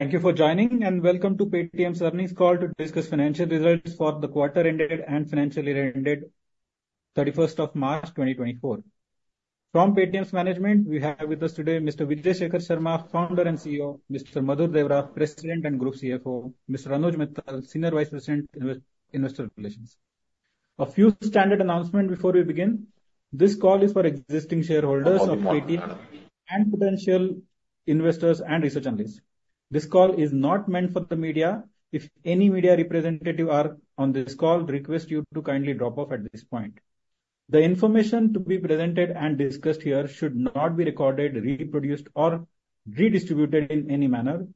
...Thank you for joining, and welcome to Paytm's earnings call to discuss financial results for the quarter ended and financial year ended thirty-first of March, 2024. From Paytm's management, we have with us today Mr. Vijay Shekhar Sharma, Founder and CEO. Mr. Madhur Deora, President and Group CFO. Mr. Anuj Mittal, Senior Vice President, Investor Relations. A few standard announcement before we begin. This call is for existing shareholders of Paytm and potential investors and research analysts. This call is not meant for the media. If any media representative are on this call, request you to kindly drop off at this point. The information to be presented and discussed here should not be recorded, reproduced, or redistributed in any manner.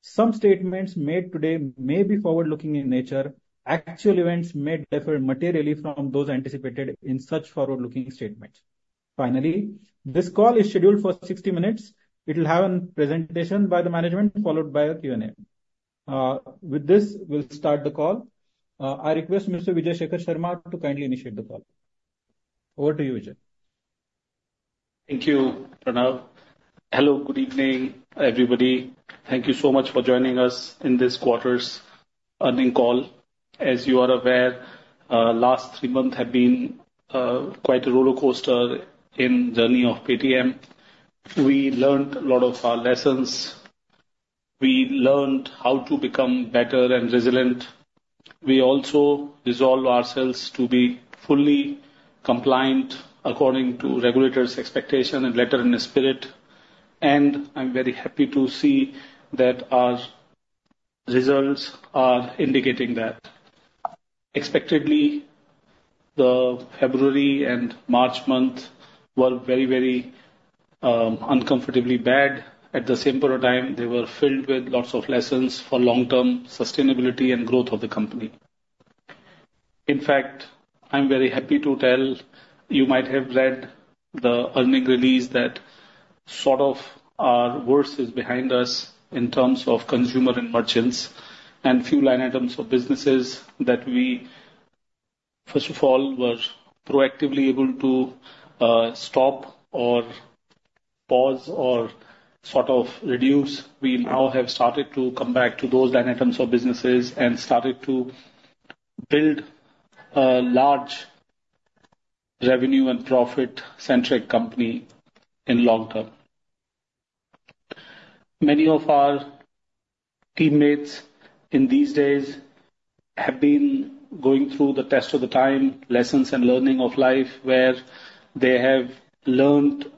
Some statements made today may be forward-looking in nature. Actual events may differ materially from those anticipated in such forward-looking statements. Finally, this call is scheduled for 60 minutes. It'll have an presentation by the management, followed by a Q&A. With this, we'll start the call. I request Mr. Vijay Shekhar Sharma to kindly initiate the call. Over to you, Vijay. Thank you, Pranav. Hello, good evening, everybody. Thank you so much for joining us in this quarter's earnings call. As you are aware, last three months have been quite a rollercoaster in journey of Paytm. We learned a lot of lessons. We learned how to become better and resilient. We also resolve ourselves to be fully compliant according to regulators' expectation and letter and spirit, and I'm very happy to see that our results are indicating that. Expectedly, the February and March month were very, very, uncomfortably bad. At the same point of time, they were filled with lots of lessons for long-term sustainability and growth of the company. In fact, I'm very happy to tell you, you might have read the earnings release that sort of our worst is behind us in terms of consumer and merchants and few line items of businesses that we, first of all, were proactively able to stop or pause or sort of reduce. We now have started to come back to those line items of businesses and started to build a large revenue and profit-centric company in long term. Many of our teammates in these days have been going through the test of the time, lessons and learning of life, where they have learned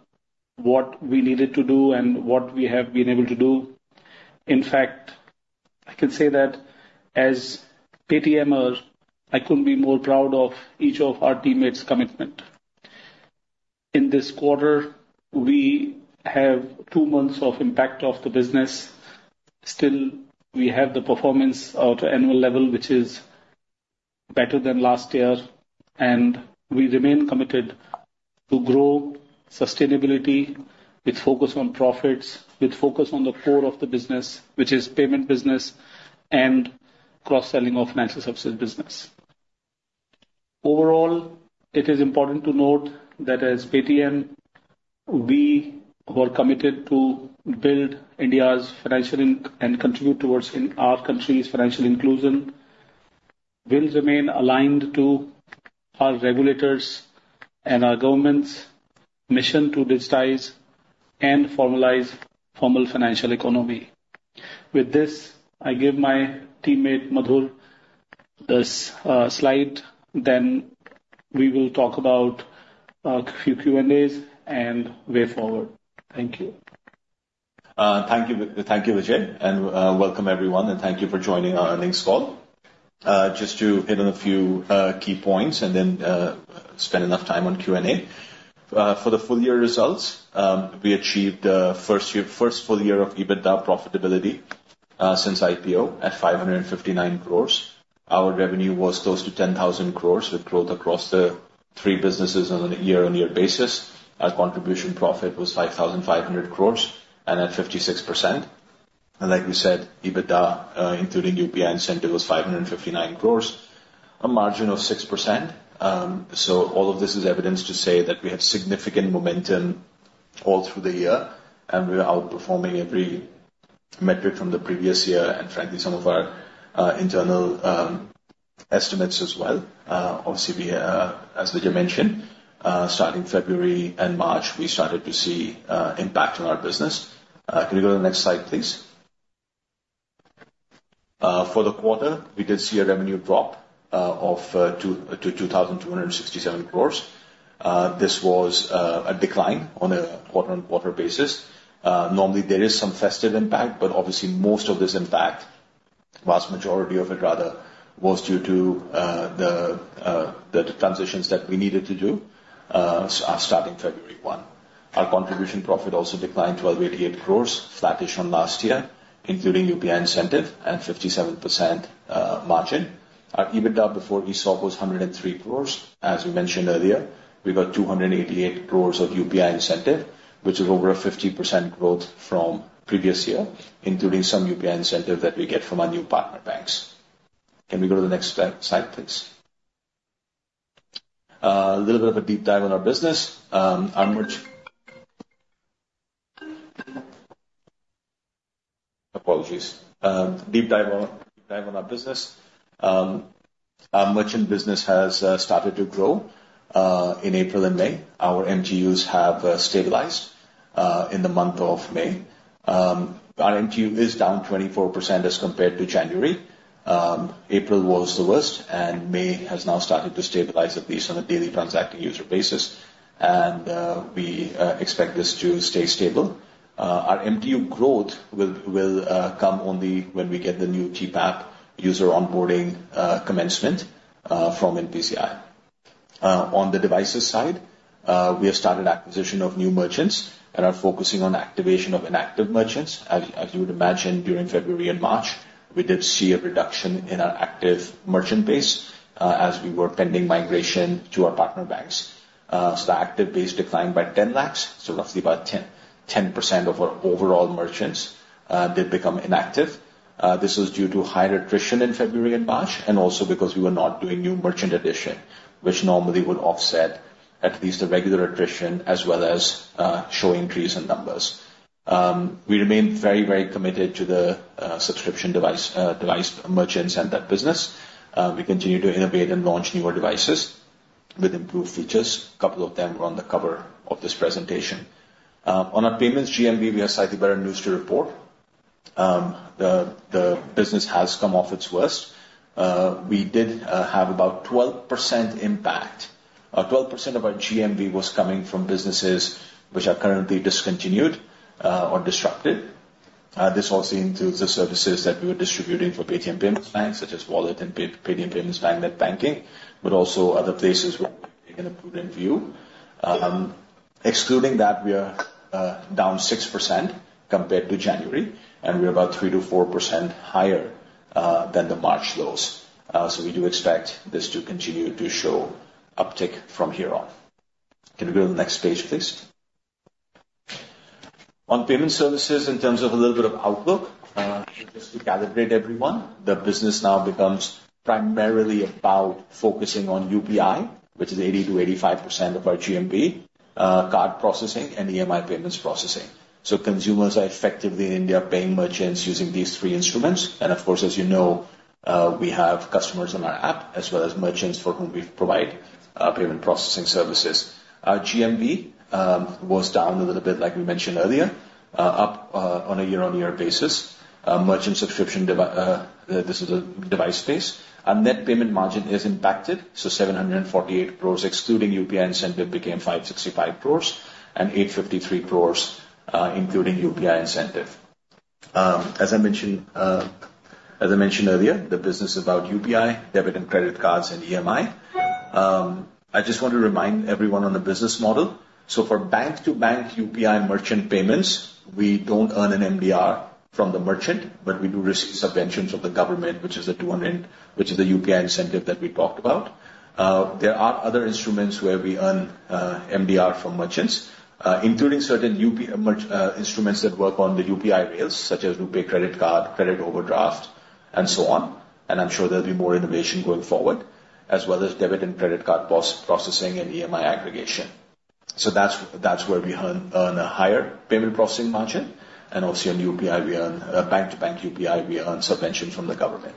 what we needed to do and what we have been able to do. In fact, I can say that as Paytmer, I couldn't be more proud of each of our teammates' commitment. In this quarter, we have two months of impact of the business. Still, we have the performance of the annual level, which is better than last year, and we remain committed to grow sustainability with focus on profits, with focus on the core of the business, which is payment business and cross-selling of financial services business. Overall, it is important to note that as Paytm, we were committed to build India's financial inc- and continue towards in our country's financial inclusion, will remain aligned to our regulators and our government's mission to digitize and formalize formal financial economy. With this, I give my teammate, Madhur, the slide. Then we will talk about few Q&As and way forward. Thank you. Thank you, Vijay, and welcome everyone, and thank you for joining our earnings call. Just to hit on a few key points and then spend enough time on Q&A. For the full year results, we achieved first year, first full year of EBITDA profitability since IPO at 559 crore. Our revenue was close to 10,000 crore, with growth across the three businesses on a year-on-year basis. Our contribution profit was 5,500 crore and at 56%. And like we said, EBITDA including UPI incentive was 559 crore, a margin of 6%. So all of this is evidence to say that we have significant momentum all through the year, and we are outperforming every metric from the previous year and frankly, some of our internal estimates as well. Obviously, we are, as Vijay mentioned, starting February and March, we started to see impact on our business. Can we go to the next slide, please? For the quarter, we did see a revenue drop of 2,267 crore. This was a decline on a quarter-on-quarter basis. Normally, there is some festive impact, but obviously most of this impact, vast majority of it, rather, was due to the transitions that we needed to do starting February 1. Our contribution profit also declined 128 crores, flattish on last year, including UPI incentive and 57% margin. Our EBITDA before ESOP was 103 crores. As we mentioned earlier, we got 288 crores of UPI incentive, which is over a 50% growth from previous year, including some UPI incentive that we get from our new partner banks. Can we go to the next slide, please? A little bit of a deep dive on our business. Apologies. Deep dive on our business. Our merchant business has started to grow in April and May. Our GMVs have stabilized in the month of May. Our GMV is down 24% as compared to January. April was the worst, and May has now started to stabilize, at least on a daily transacting user basis, and we expect this to stay stable. Our MTU growth will come only when we get the new TPAP user onboarding commencement from NPCI. On the devices side, we have started acquisition of new merchants and are focusing on activation of inactive merchants. As you would imagine, during February and March, we did see a reduction in our active merchant base, as we were pending migration to our partner banks. So the active base declined by 1,000,000, so roughly about 10% of our overall merchants did become inactive. This was due to high attrition in February and March, and also because we were not doing new merchant addition, which normally would offset at least the regular attrition, as well as show increase in numbers. We remain very, very committed to the subscription device, device merchants and that business. We continue to innovate and launch newer devices with improved features. A couple of them are on the cover of this presentation. On our payments GMV, we have slightly better news to report. The business has come off its worst. We did have about 12% impact, 12% of our GMV was coming from businesses which are currently discontinued or disrupted. This also includes the services that we were distributing for Paytm Payments Bank, such as wallet and Paytm Payments Bank net banking, but also other places where we take an approved view. Excluding that, we are down 6% compared to January, and we're about 3%-4% higher than the March lows. So we do expect this to continue to show uptick from here on. Can we go to the next page, please? On payment services, in terms of a little bit of outlook, just to calibrate everyone, the business now becomes primarily about focusing on UPI, which is 80%-85% of our GMV, card processing, and EMI payments processing. So consumers are effectively in India, paying merchants using these three instruments. And of course, as you know, we have customers on our app, as well as merchants for whom we provide payment processing services. Our GMV was down a little bit, like we mentioned earlier, up on a year-on-year basis. Merchant subscription devices. This is a device base. Our net payment margin is impacted, so 748 crore, excluding UPI incentive, became 565 crore and 853 crore, including UPI incentive. As I mentioned earlier, the business is about UPI, debit and credit cards, and EMI. I just want to remind everyone on the business model. So for bank-to-bank UPI merchant payments, we don't earn an MDR from the merchant, but we do receive subventions from the government, which is a 200, which is the UPI incentive that we talked about. There are other instruments where we earn, MDR from merchants, including certain UPI merchant instruments that work on the UPI rails, such as RuPay credit card, credit overdraft, and so on, and I'm sure there'll be more innovation going forward, as well as debit and credit card processing and EMI aggregation. So that's, that's where we earn, earn a higher payment processing margin, and also on UPI, we earn bank-to-bank UPI, we earn subvention from the government.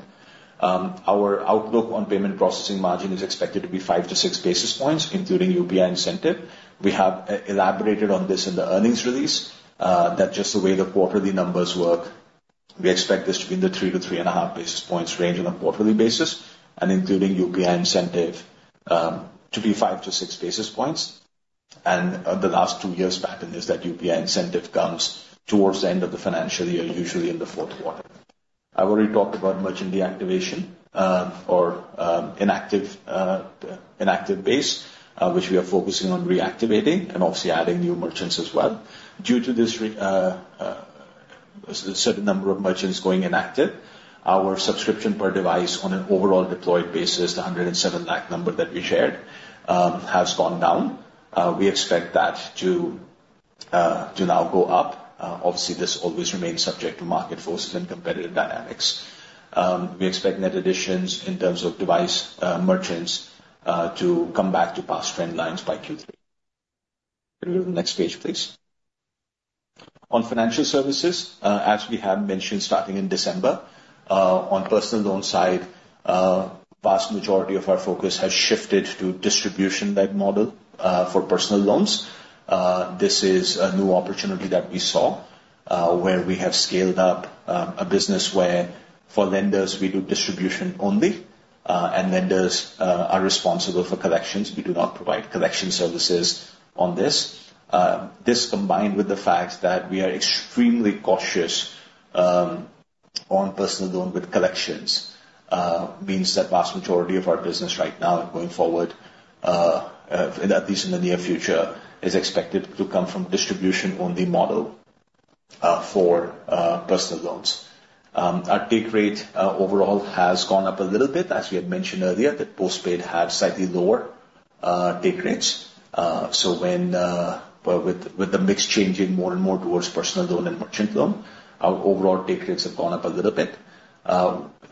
Our outlook on payment processing margin is expected to be 5-6 basis points, including UPI incentive. We have elaborated on this in the earnings release. That's just the way the quarterly numbers work. We expect this to be in the 3-3.5 basis points range on a quarterly basis, and including UPI incentive, to be 5-6 basis points. The last 2 years pattern is that UPI incentive comes towards the end of the financial year, usually in the fourth quarter. I've already talked about merchant deactivation, inactive base, which we are focusing on reactivating and obviously adding new merchants as well. Due to this certain number of merchants going inactive, our subscription per device on an overall deployed basis, the 107 lakh number that we shared, has gone down. We expect that to now go up. Obviously, this always remains subject to market forces and competitive dynamics. We expect net additions in terms of device, merchants, to come back to past trend lines by Q3. Can we go to the next page, please? On financial services, as we have mentioned, starting in December, on personal loan side, vast majority of our focus has shifted to distribution-led model, for personal loans. This is a new opportunity that we saw, where we have scaled up, a business where for lenders, we do distribution only, and lenders, are responsible for collections. We do not provide collection services on this. This combined with the fact that we are extremely cautious, on personal loan with collections, means that vast majority of our business right now and going forward, at least in the near future, is expected to come from distribution-only model.... For personal loans. Our take rate, overall has gone up a little bit. As we had mentioned earlier, that postpaid had slightly lower, take rates. So when, well, with, with the mix changing more and more towards personal loan and merchant loan, our overall take rates have gone up a little bit.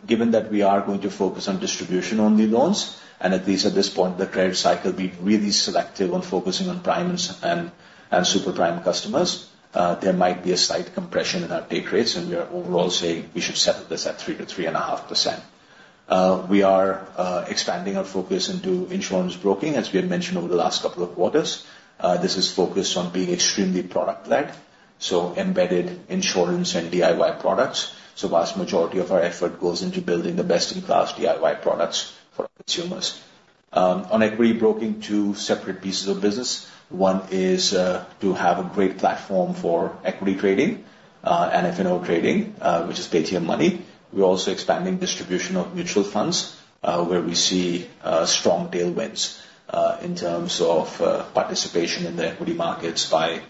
Given that we are going to focus on distribution-only loans, and at least at this point in the credit cycle, being really selective on focusing on primes and, and super prime customers, there might be a slight compression in our take rates, and we are overall saying we should settle this at 3%-3.5%. We are, expanding our focus into insurance broking, as we had mentioned over the last couple of quarters. This is focused on being extremely product led, so embedded insurance and DIY products. So vast majority of our effort goes into building the best-in-class DIY products for our consumers. On equity broking, two separate pieces of business. One is to have a great platform for equity trading and F&O trading, which is Paytm Money. We're also expanding distribution of mutual funds, where we see strong tailwinds in terms of participation in the equity markets by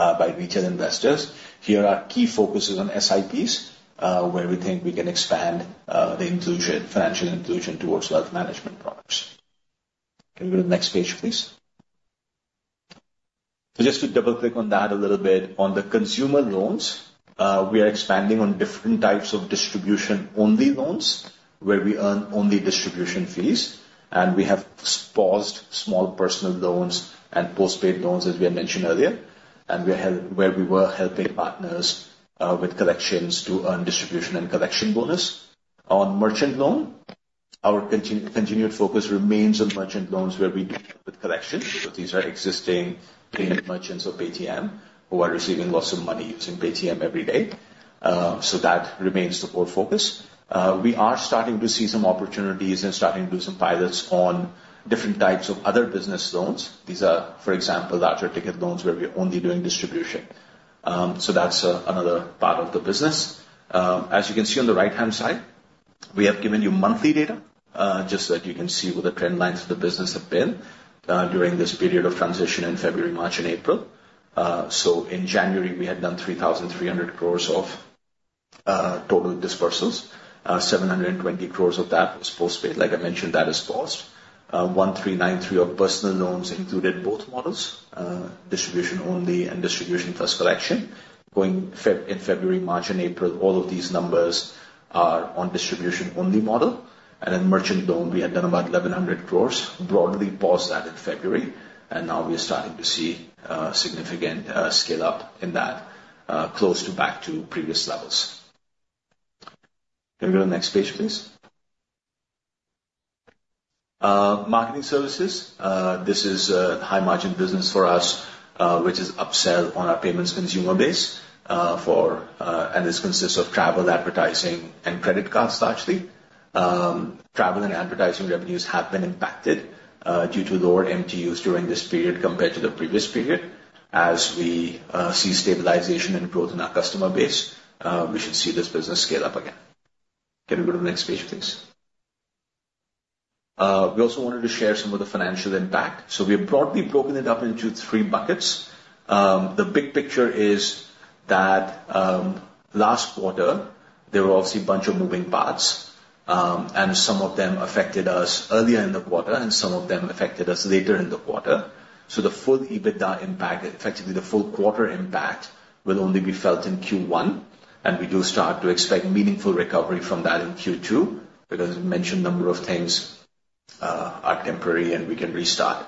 retail investors. Here, our key focus is on SIPs, where we think we can expand financial inclusion towards wealth management products. Can we go to the next page, please? So just to double-click on that a little bit, on the consumer loans, we are expanding on different types of distribution-only loans, where we earn only distribution fees, and we have paused small personal loans and postpaid loans, as we had mentioned earlier, and we are helping partners with collections to earn distribution and collection bonus. On merchant loan, our continued focus remains on merchant loans, where we deal with collection. So these are existing payment merchants of Paytm, who are receiving lots of money using Paytm every day. So that remains the core focus. We are starting to see some opportunities and starting to do some pilots on different types of other business loans. These are, for example, larger ticket loans where we are only doing distribution. So that's another part of the business. As you can see on the right-hand side, we have given you monthly data, just so that you can see what the trend lines of the business have been, during this period of transition in February, March, and April. So in January, we had done 3,300 crore of total dispersals. Seven hundred and twenty crore of that was postpaid. Like I mentioned, that is paused. 1,393 of personal loans included both models, distribution only and distribution plus collection. Going in February, March, and April, all of these numbers are on distribution-only model. In merchant loan, we had done about 1,100 crore, broadly paused that in February, and now we are starting to see significant scale up in that, close to back to previous levels. Can we go to the next page, please? Marketing services. This is a high-margin business for us, which is upsell on our payments consumer base, for... And this consists of travel, advertising, and credit cards, actually. Travel and advertising revenues have been impacted, due to lower MTUs during this period compared to the previous period. As we see stabilization and growth in our customer base, we should see this business scale up again. Can we go to the next page, please? We also wanted to share some of the financial impact, so we have broadly broken it up into three buckets. The big picture is that, last quarter, there were obviously a bunch of moving parts, and some of them affected us earlier in the quarter, and some of them affected us later in the quarter. So the full EBITDA impact, effectively the full quarter impact, will only be felt in Q1, and we do start to expect meaningful recovery from that in Q2, because as mentioned, a number of things, are temporary, and we can restart.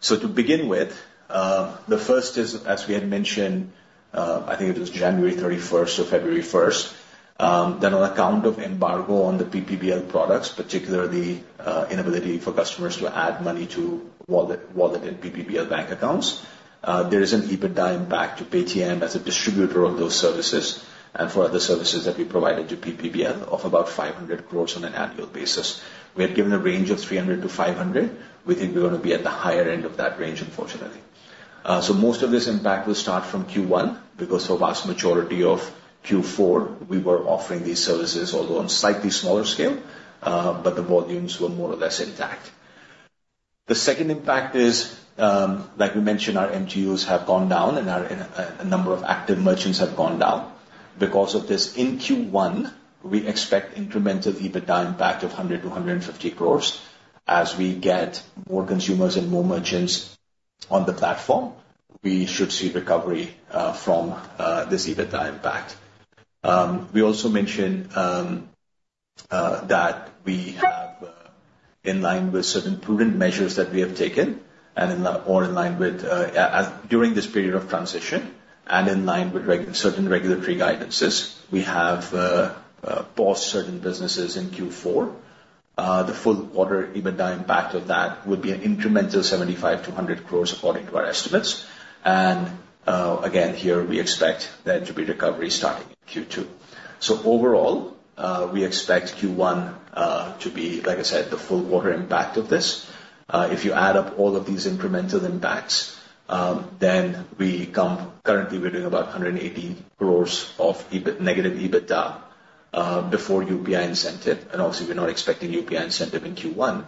So to begin with, the first is, as we had mentioned, I think it was January 31st or February 1st, that on account of embargo on the PPBL products, particularly, inability for customers to add money to wallet, wallet and PPBL bank accounts, there is an EBITDA impact to Paytm as a distributor of those services and for other services that we provided to PPBL of about 500 crore on an annual basis. We had given a range of 300 crore-500 crore. We think we're going to be at the higher end of that range, unfortunately. So most of this impact will start from Q1, because for vast majority of Q4, we were offering these services, although on slightly smaller scale, but the volumes were more or less intact. The second impact is, like we mentioned, our MTUs have gone down and our a number of active merchants have gone down. Because of this, in Q1, we expect incremental EBITDA impact of 100-150 crores. As we get more consumers and more merchants on the platform, we should see recovery from this EBITDA impact. We also mentioned that we have, in line with certain prudent measures that we have taken, during this period of transition and in line with certain regulatory guidances, paused certain businesses in Q4. The full quarter EBITDA impact of that would be an incremental 75-100 crores, according to our estimates. And again, here, we expect there to be recovery starting in Q2. So overall, we expect Q1, like I said, to be the full quarter impact of this. If you add up all of these incremental impacts, then we come—currently, we're doing about 180 crores of negative EBITDA before UPI incentive, and also we're not expecting UPI incentive in Q1.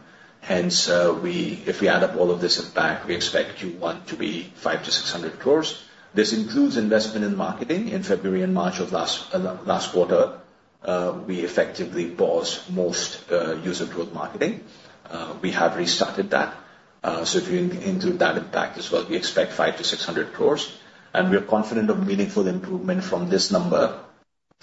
Hence, if we add up all of this impact, we expect Q1 to be 500-600 crores. This includes investment in marketing. In February and March of last quarter, we effectively paused most user growth marketing. We have restarted that. So if you include that impact as well, we expect 500 crore-600 crore, and we are confident of meaningful improvement from this number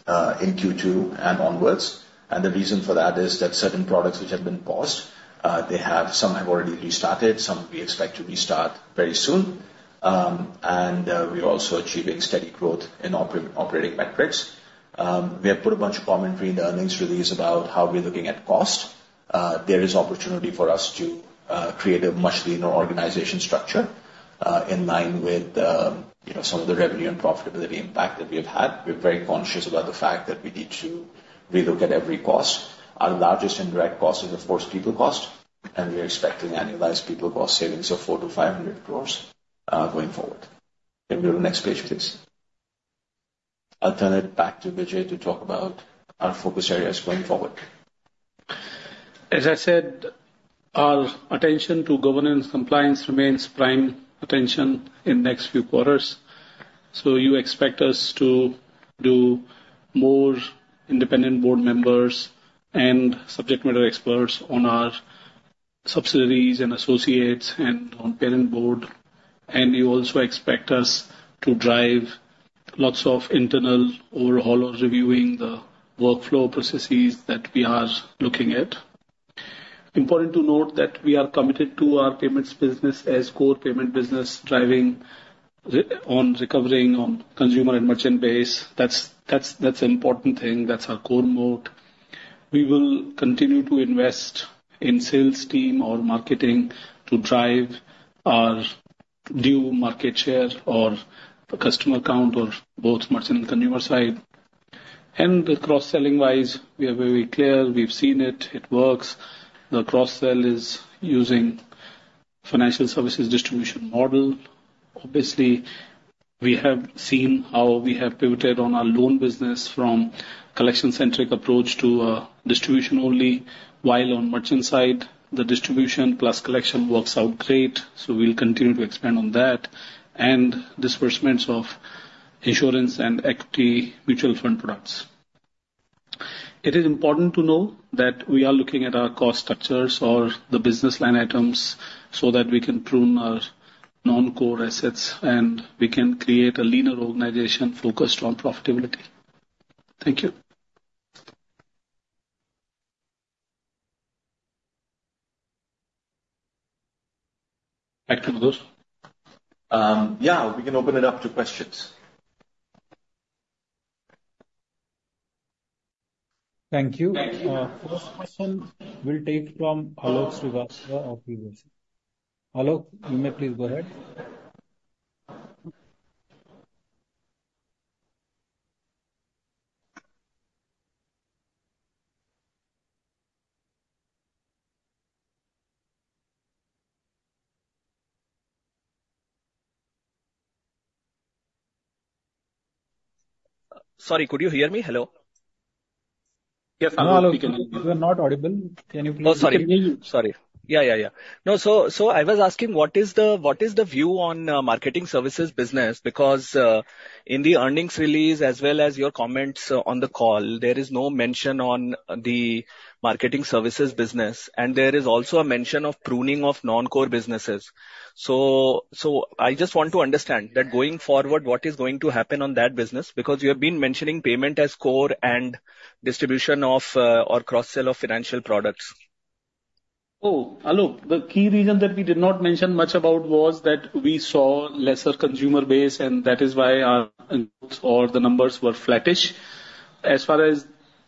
in Q2 and onwards. And the reason for that is that certain products which have been paused, they have some have already restarted, some we expect to restart very soon. And we're also achieving steady growth in operating metrics. We have put a bunch of commentary in the earnings release about how we're looking at cost. There is opportunity for us to create a much leaner organization structure in line with, you know, some of the revenue and profitability impact that we have had. We're very conscious about the fact that we need to relook at every cost. Our largest indirect cost is, of course, people cost, and we are expecting annualized people cost savings of 400 crore-500 crore going forward. Can we go to the next page, please? I'll turn it back to Vijay to talk about our focus areas going forward. As I said, our attention to governance compliance remains prime attention in next few quarters. So you expect us to do more independent board members and subject matter experts on our subsidiaries and associates and on parent board. And you also expect us to drive lots of internal overall reviewing the workflow processes that we are looking at. Important to note that we are committed to our payments business as core payment business, driving recovery on recovering on consumer and merchant base. That's, that's, that's an important thing. That's our core moat. We will continue to invest in sales team or marketing to drive our new market share or customer count or both merchant and consumer side. And cross-selling wise, we are very clear. We've seen it, it works. The cross-sell is using financial services distribution model. Obviously, we have seen how we have pivoted on our loan business from collection-centric approach to a distribution only, while on merchant side, the distribution plus collection works out great, so we'll continue to expand on that, and disbursements of insurance and equity mutual fund products. It is important to know that we are looking at our cost structures or the business line items so that we can prune our non-core assets, and we can create a leaner organization focused on profitability. Thank you. Thank you, Madhur. Yeah, we can open it up to questions. Thank you. First question we'll take from Alok Srivastava of Bloomberg. Alok, you may please go ahead. Sorry, could you hear me? Hello? Yes, Alok, we can hear you. Alok, you are not audible. Can you please- Oh, sorry. Sorry. Yeah, yeah, yeah. No, so, so I was asking, what is the, what is the view on, marketing services business? Because, in the earnings release, as well as your comments on the call, there is no mention on the marketing services business, and there is also a mention of pruning of non-core businesses. So, so I just want to understand that going forward, what is going to happen on that business? Because you have been mentioning payment as core and distribution of, or cross-sell of financial products. Oh, Alok, the key reason that we did not mention much about was that we saw lesser consumer base, and that is why our or the numbers were flattish. As far as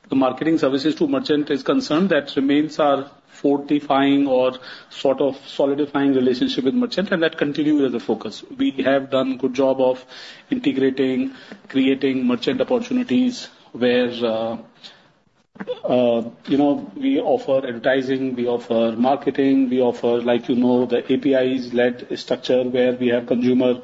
the marketing services to merchant is concerned, that remains our fortifying or sort of solidifying relationship with merchant, and that continues as a focus. We have done good job of integrating, creating merchant opportunities, where, you know, we offer advertising, we offer marketing, we offer, like, you know, the APIs-led structure, where we have consumer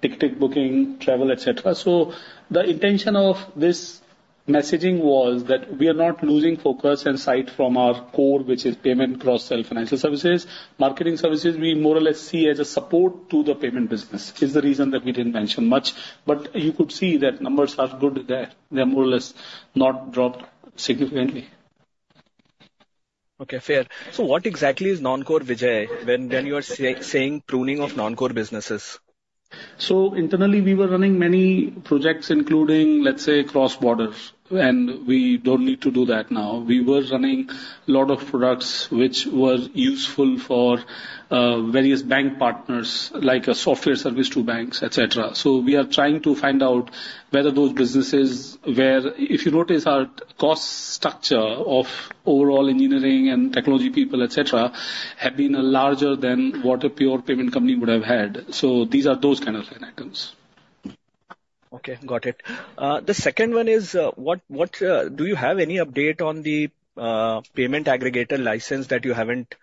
ticketing, booking, travel, et cetera. So the intention of this messaging was that we are not losing focus and sight from our core, which is payment cross-sell financial services. Marketing services, we more or less see as a support to the payment business, is the reason that we didn't mention much. But you could see that numbers are good there. They're more or less not dropped significantly. Okay, fair. So what exactly is non-core, Vijay, when you are saying pruning of non-core businesses? So internally, we were running many projects, including, let's say, cross-border, and we don't need to do that now. We were running a lot of products which was useful for various bank partners, like a software service to banks, et cetera. So we are trying to find out whether those businesses where... If you notice our cost structure of overall engineering and technology people, et cetera, have been larger than what a pure payment company would have had. So these are those kind of line items. ...Okay, got it. The second one is, what do you have any update on the payment aggregator license that you haven't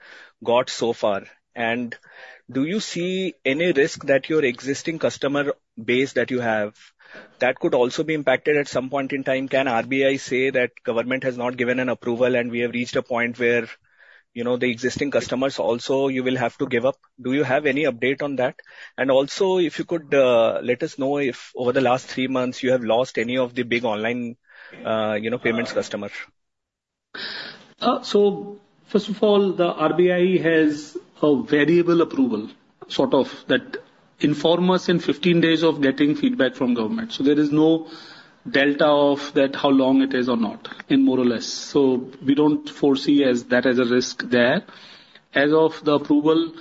got so far? And do you see any risk that your existing customer base that you have, that could also be impacted at some point in time? Can RBI say that government has not given an approval and we have reached a point where, you know, the existing customers also, you will have to give up? Do you have any update on that? And also, if you could let us know if over the last three months you have lost any of the big online, you know, payments customers. So first of all, the RBI has a variable approval, sort of, that inform us in 15 days of getting feedback from government. So there is no delta of that, how long it is or not, in more or less. So we don't foresee as that as a risk there. As of the approval,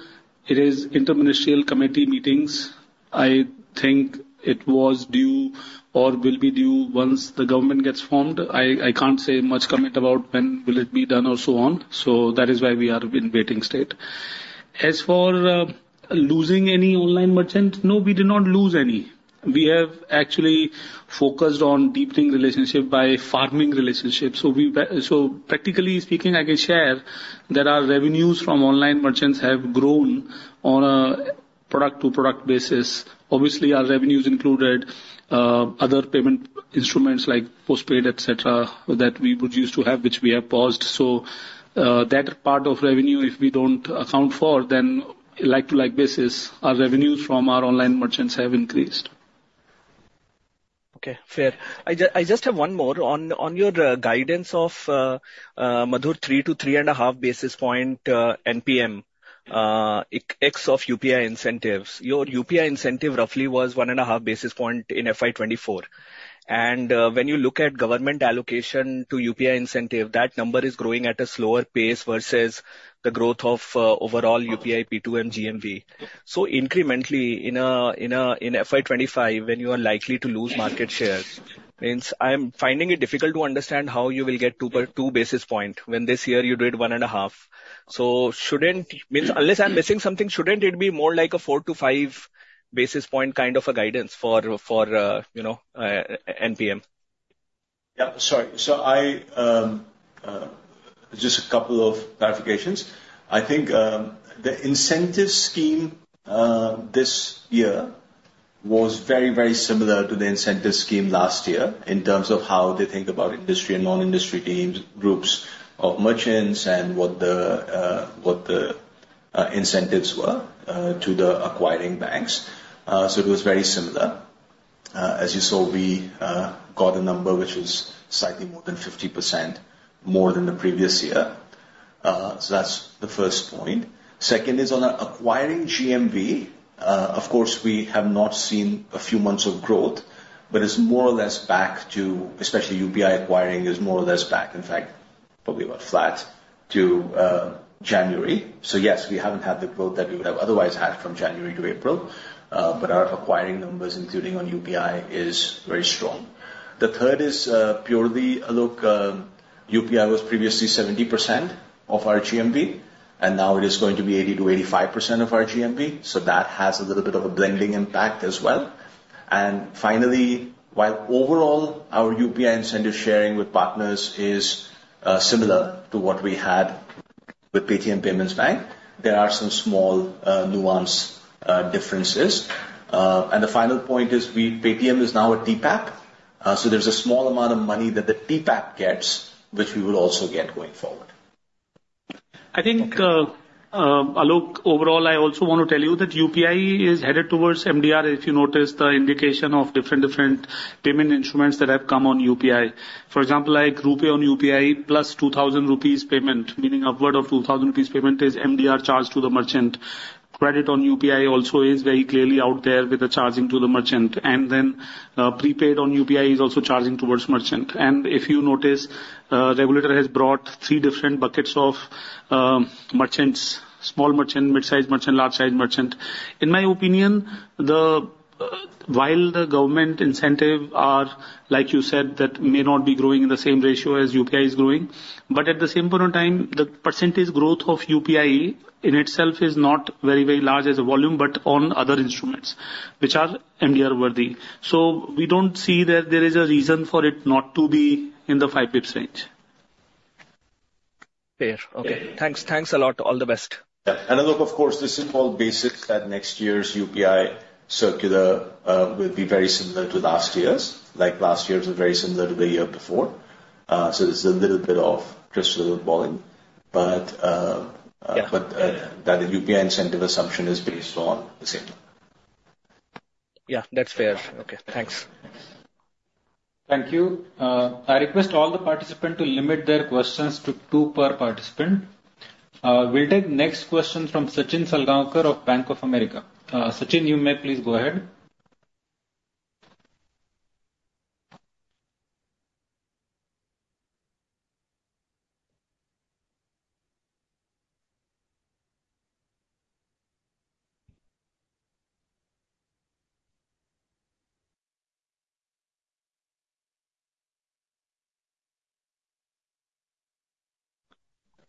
it is interministerial committee meetings. I think it was due or will be due once the government gets formed. I can't say much comment about when will it be done or so on, so that is why we are in waiting state. As for, uh, losing any online merchant, no, we did not lose any. We have actually focused on deepening relationship by farming relationships. So we so practically speaking, I can share that our revenues from online merchants have grown on a product-to-product basis. Obviously, our revenues included, other payment instruments like postpaid, et cetera, that we would used to have, which we have paused. So, that part of revenue, if we don't account for, then like-to-like basis, our revenues from our online merchants have increased. Okay, fair. I just have one more. On your guidance of Madhur, 3-3.5 basis points NPM ex of UPI incentives. Your UPI incentive roughly was 1.5 basis points in FY 2024. And when you look at government allocation to UPI incentive, that number is growing at a slower pace versus the growth of overall UPI P2M GMV. So incrementally, in FY 2025, when you are likely to lose market shares, means I am finding it difficult to understand how you will get 2.2 basis points, when this year you did 1.5. So shouldn't... Means, unless I'm missing something, shouldn't it be more like a 4-5 basis points kind of a guidance for NPM? Yeah. Sorry. So I just a couple of clarifications. I think the incentive scheme this year was very, very similar to the incentive scheme last year in terms of how they think about industry and non-industry teams, groups of merchants and what the, what the incentives were to the acquiring banks. So it was very similar. As you saw, we got a number which is slightly more than 50% more than the previous year. So that's the first point. Second is on acquiring GMV. Of course, we have not seen a few months of growth, but it's more or less back to, especially UPI acquiring, is more or less back, in fact, probably about flat to January. So yes, we haven't had the growth that we would have otherwise had from January to April, but our acquiring numbers, including on UPI, is very strong. The third is, purely, Alok, UPI was previously 70% of our GMV, and now it is going to be 80%-85% of our GMV, so that has a little bit of a blending impact as well. And finally, while overall, our UPI incentive sharing with partners is, similar to what we had with Paytm Payments Bank, there are some small, nuance, differences. And the final point is we, Paytm is now a TPAP. So there's a small amount of money that the TPAP gets, which we will also get going forward. I think, Alok, overall, I also want to tell you that UPI is headed towards MDR. If you notice the indication of different, different payment instruments that have come on UPI. For example, like RuPay on UPI plus 2,000 rupees payment, meaning upward of 2,000 rupees payment, is MDR charged to the merchant. Credit on UPI also is very clearly out there with the charging to the merchant. And then, prepaid on UPI is also charging towards merchant. And if you notice, regulator has brought three different buckets of merchants, small merchant, mid-size merchant, large-size merchant. In my opinion, while the government incentives are, like you said, that may not be growing in the same ratio as UPI is growing, but at the same point in time, the percentage growth of UPI in itself is not very, very large as a volume, but on other instruments which are MDR worthy. So we don't see that there is a reason for it not to be in the five bips range. Fair. Okay. Thanks. Thanks a lot. All the best. Yeah. And Alok, of course, the simple basics that next year's UPI circular will be very similar to last year's, like last year's was very similar to the year before. So there's a little bit of crystal balling, but, Yeah. But, that UPI incentive assumption is based on the same. Yeah, that's fair. Okay, thanks. Thank you. I request all the participants to limit their questions to two per participant. We'll take next question from Sachin Salgaonkar of Bank of America. Sachin, you may please go ahead. ...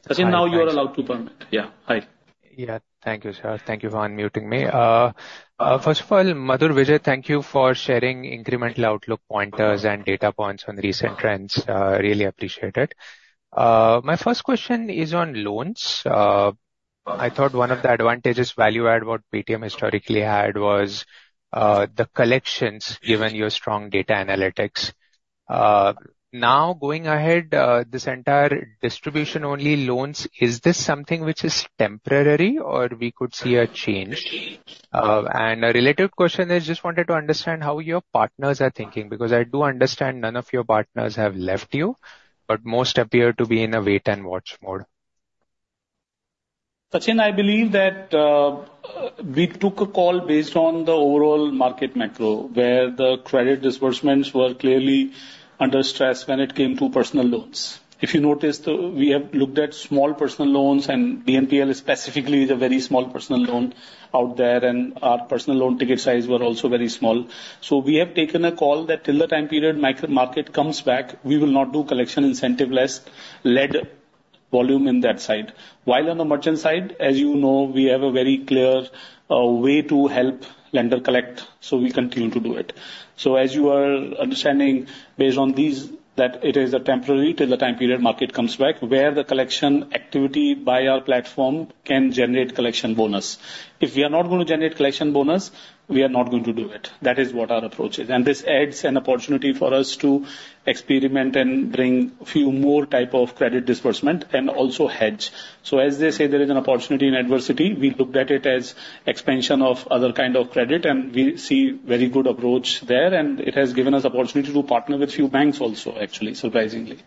Sachin, now you are allowed to permit. Yeah. Hi. Yeah, thank you, sir. Thank you for unmuting me. First of all, Madhur, Vijay, thank you for sharing incremental outlook pointers and data points on recent trends. Really appreciate it. My first question is on loans. I thought one of the advantages value add what Paytm historically had was the collections, given your strong data analytics. Now, going ahead, this entire distribution-only loans, is this something which is temporary, or we could see a change? And a related question, I just wanted to understand how your partners are thinking, because I do understand none of your partners have left you, but most appear to be in a wait-and-watch mode. Sachin, I believe that, we took a call based on the overall market macro, where the credit disbursements were clearly under stress when it came to personal loans. If you noticed, we have looked at small personal loans, and BNPL is specifically the very small personal loan out there, and our personal loan ticket size were also very small. So we have taken a call that till the time period micro market comes back, we will not do collection incentive-less lead volume in that side. While on the merchant side, as you know, we have a very clear, way to help lender collect, so we continue to do it. So as you are understanding, based on these, that it is a temporary till the time period market comes back, where the collection activity by our platform can generate collection bonus. If we are not going to generate collection bonus, we are not going to do it. That is what our approach is. This adds an opportunity for us to experiment and bring few more type of credit disbursement, and also hedge. So as they say, there is an opportunity in adversity. We looked at it as expansion of other kind of credit, and we see very good approach there, and it has given us opportunity to partner with few banks also, actually, surprisingly.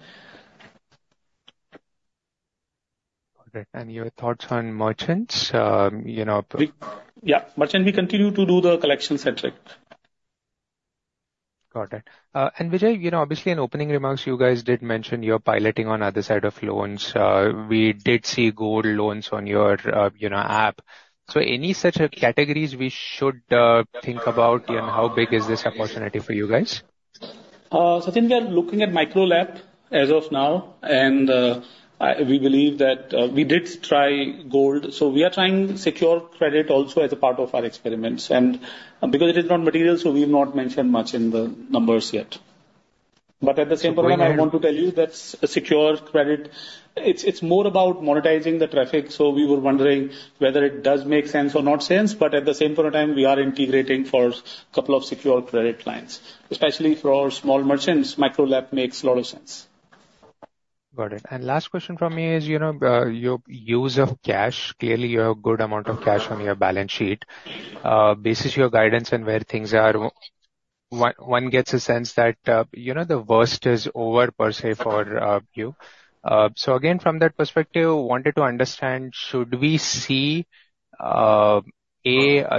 Got it. And your thoughts on merchants? You know- Yeah. Merchant, we continue to do the collection centric. Got it. And, Vijay, you know, obviously, in opening remarks, you guys did mention you're piloting on other side of loans. We did see gold loans on your, you know, app. So any such categories we should think about, and how big is this opportunity for you guys? Sachin, we are looking at Micro LAP as of now, and we believe that... We did try gold. So we are trying secure credit also as a part of our experiments, and because it is not material, so we've not mentioned much in the numbers yet. But at the same time, I want to tell you that secure credit, it's, it's more about monetizing the traffic, so we were wondering whether it does make sense or not sense, but at the same point of time, we are integrating for couple of secure credit clients. Especially for our small merchants, Micro LAP makes a lot of sense. Got it. Last question from me is, you know, your use of cash. Clearly, you have a good amount of cash on your balance sheet. Basis your guidance and where things are, one gets a sense that, you know, the worst is over, per se, for you. So again, from that perspective, wanted to understand, should we see, A,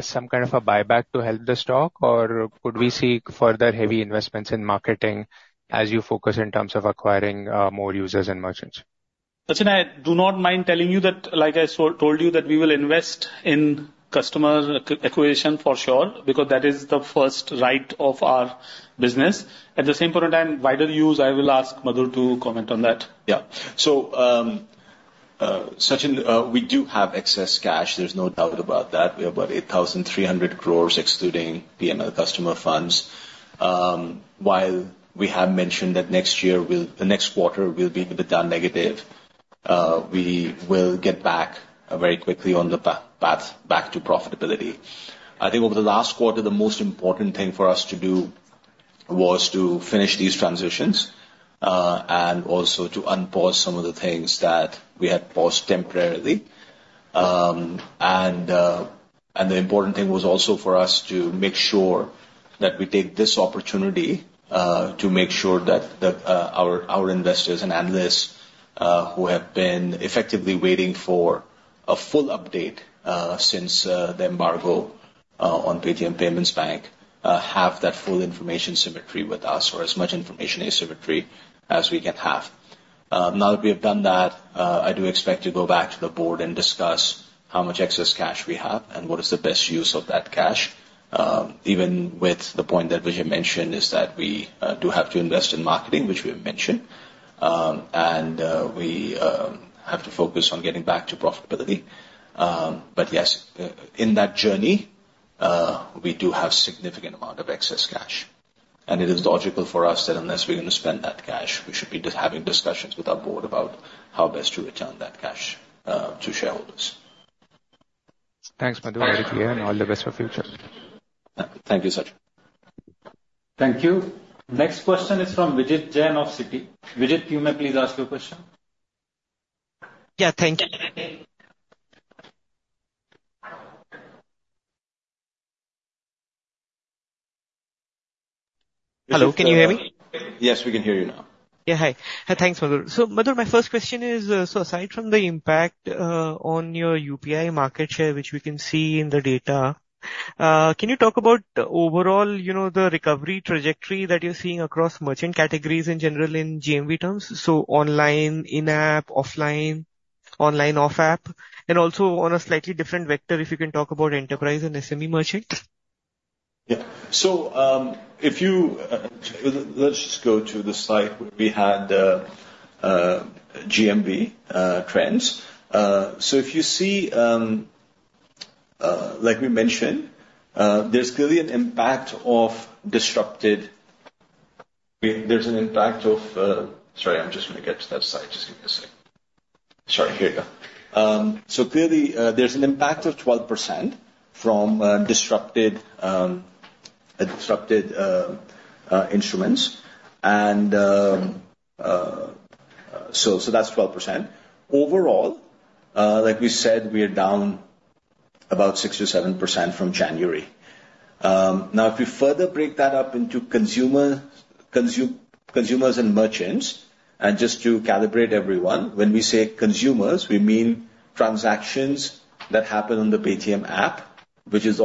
some kind of a buyback to help the stock, or could we see further heavy investments in marketing as you focus in terms of acquiring, more users and merchants? Sachin, I do not mind telling you that, like I told you, that we will invest in customer acquisition for sure, because that is the first right of our business. At the same point in time, wider use, I will ask Madhur to comment on that. Yeah. So, Sachin, we do have excess cash, there's no doubt about that. We have about 8,300 crore, excluding PNL customer funds. While we have mentioned that the next quarter will be a bit down negative, we will get back very quickly on the path back to profitability. I think over the last quarter, the most important thing for us to do was to finish these transitions, and also to unpause some of the things that we had paused temporarily. And the important thing was also for us to make sure that we take this opportunity to make sure that our investors and analysts who have been effectively waiting for a full update since the embargo on Paytm Payments Bank have that full information symmetry with us, or as much information asymmetry as we can have. Now that we have done that, I do expect to go back to the board and discuss how much excess cash we have and what is the best use of that cash. Even with the point that Vijay mentioned, is that we do have to invest in marketing, which we have mentioned. And we have to focus on getting back to profitability. But yes, in that journey, we do have significant amount of excess cash. It is logical for us that unless we're going to spend that cash, we should be just having discussions with our board about how best to return that cash to shareholders. Thanks, Madhur, and all the best for future. Thank you, Sachin. Thank you. Next question is from Vijit Jain of Citi. Vijit, you may please ask your question. Yeah. Thank you. Hello, can you hear me? Yes, we can hear you now. Yeah. Hi. Thanks, Madhur. So, Madhur, my first question is, so aside from the impact on your UPI market share, which we can see in the data, can you talk about overall, you know, the recovery trajectory that you're seeing across merchant categories in general, in GMV terms? So online, in-app, offline, online, off-app, and also on a slightly different vector, if you can talk about enterprise and SME merchants.... Yeah. So, if you, let's just go to the slide where we had, GMV, trends. So if you see, like we mentioned, there's clearly an impact of disrupted... There's an impact of... Sorry, I'm just going to get to that slide. Just give me a second. Sorry, here you go. So clearly, there's an impact of 12% from, disrupted, disrupted, instruments. And, so, so that's 12%. Overall, like we said, we are down about 6%-7% from January. Now, if we further break that up into consumer, consumers and merchants, and just to calibrate everyone, when we say consumers, we mean transactions that happen on the Paytm app, which is,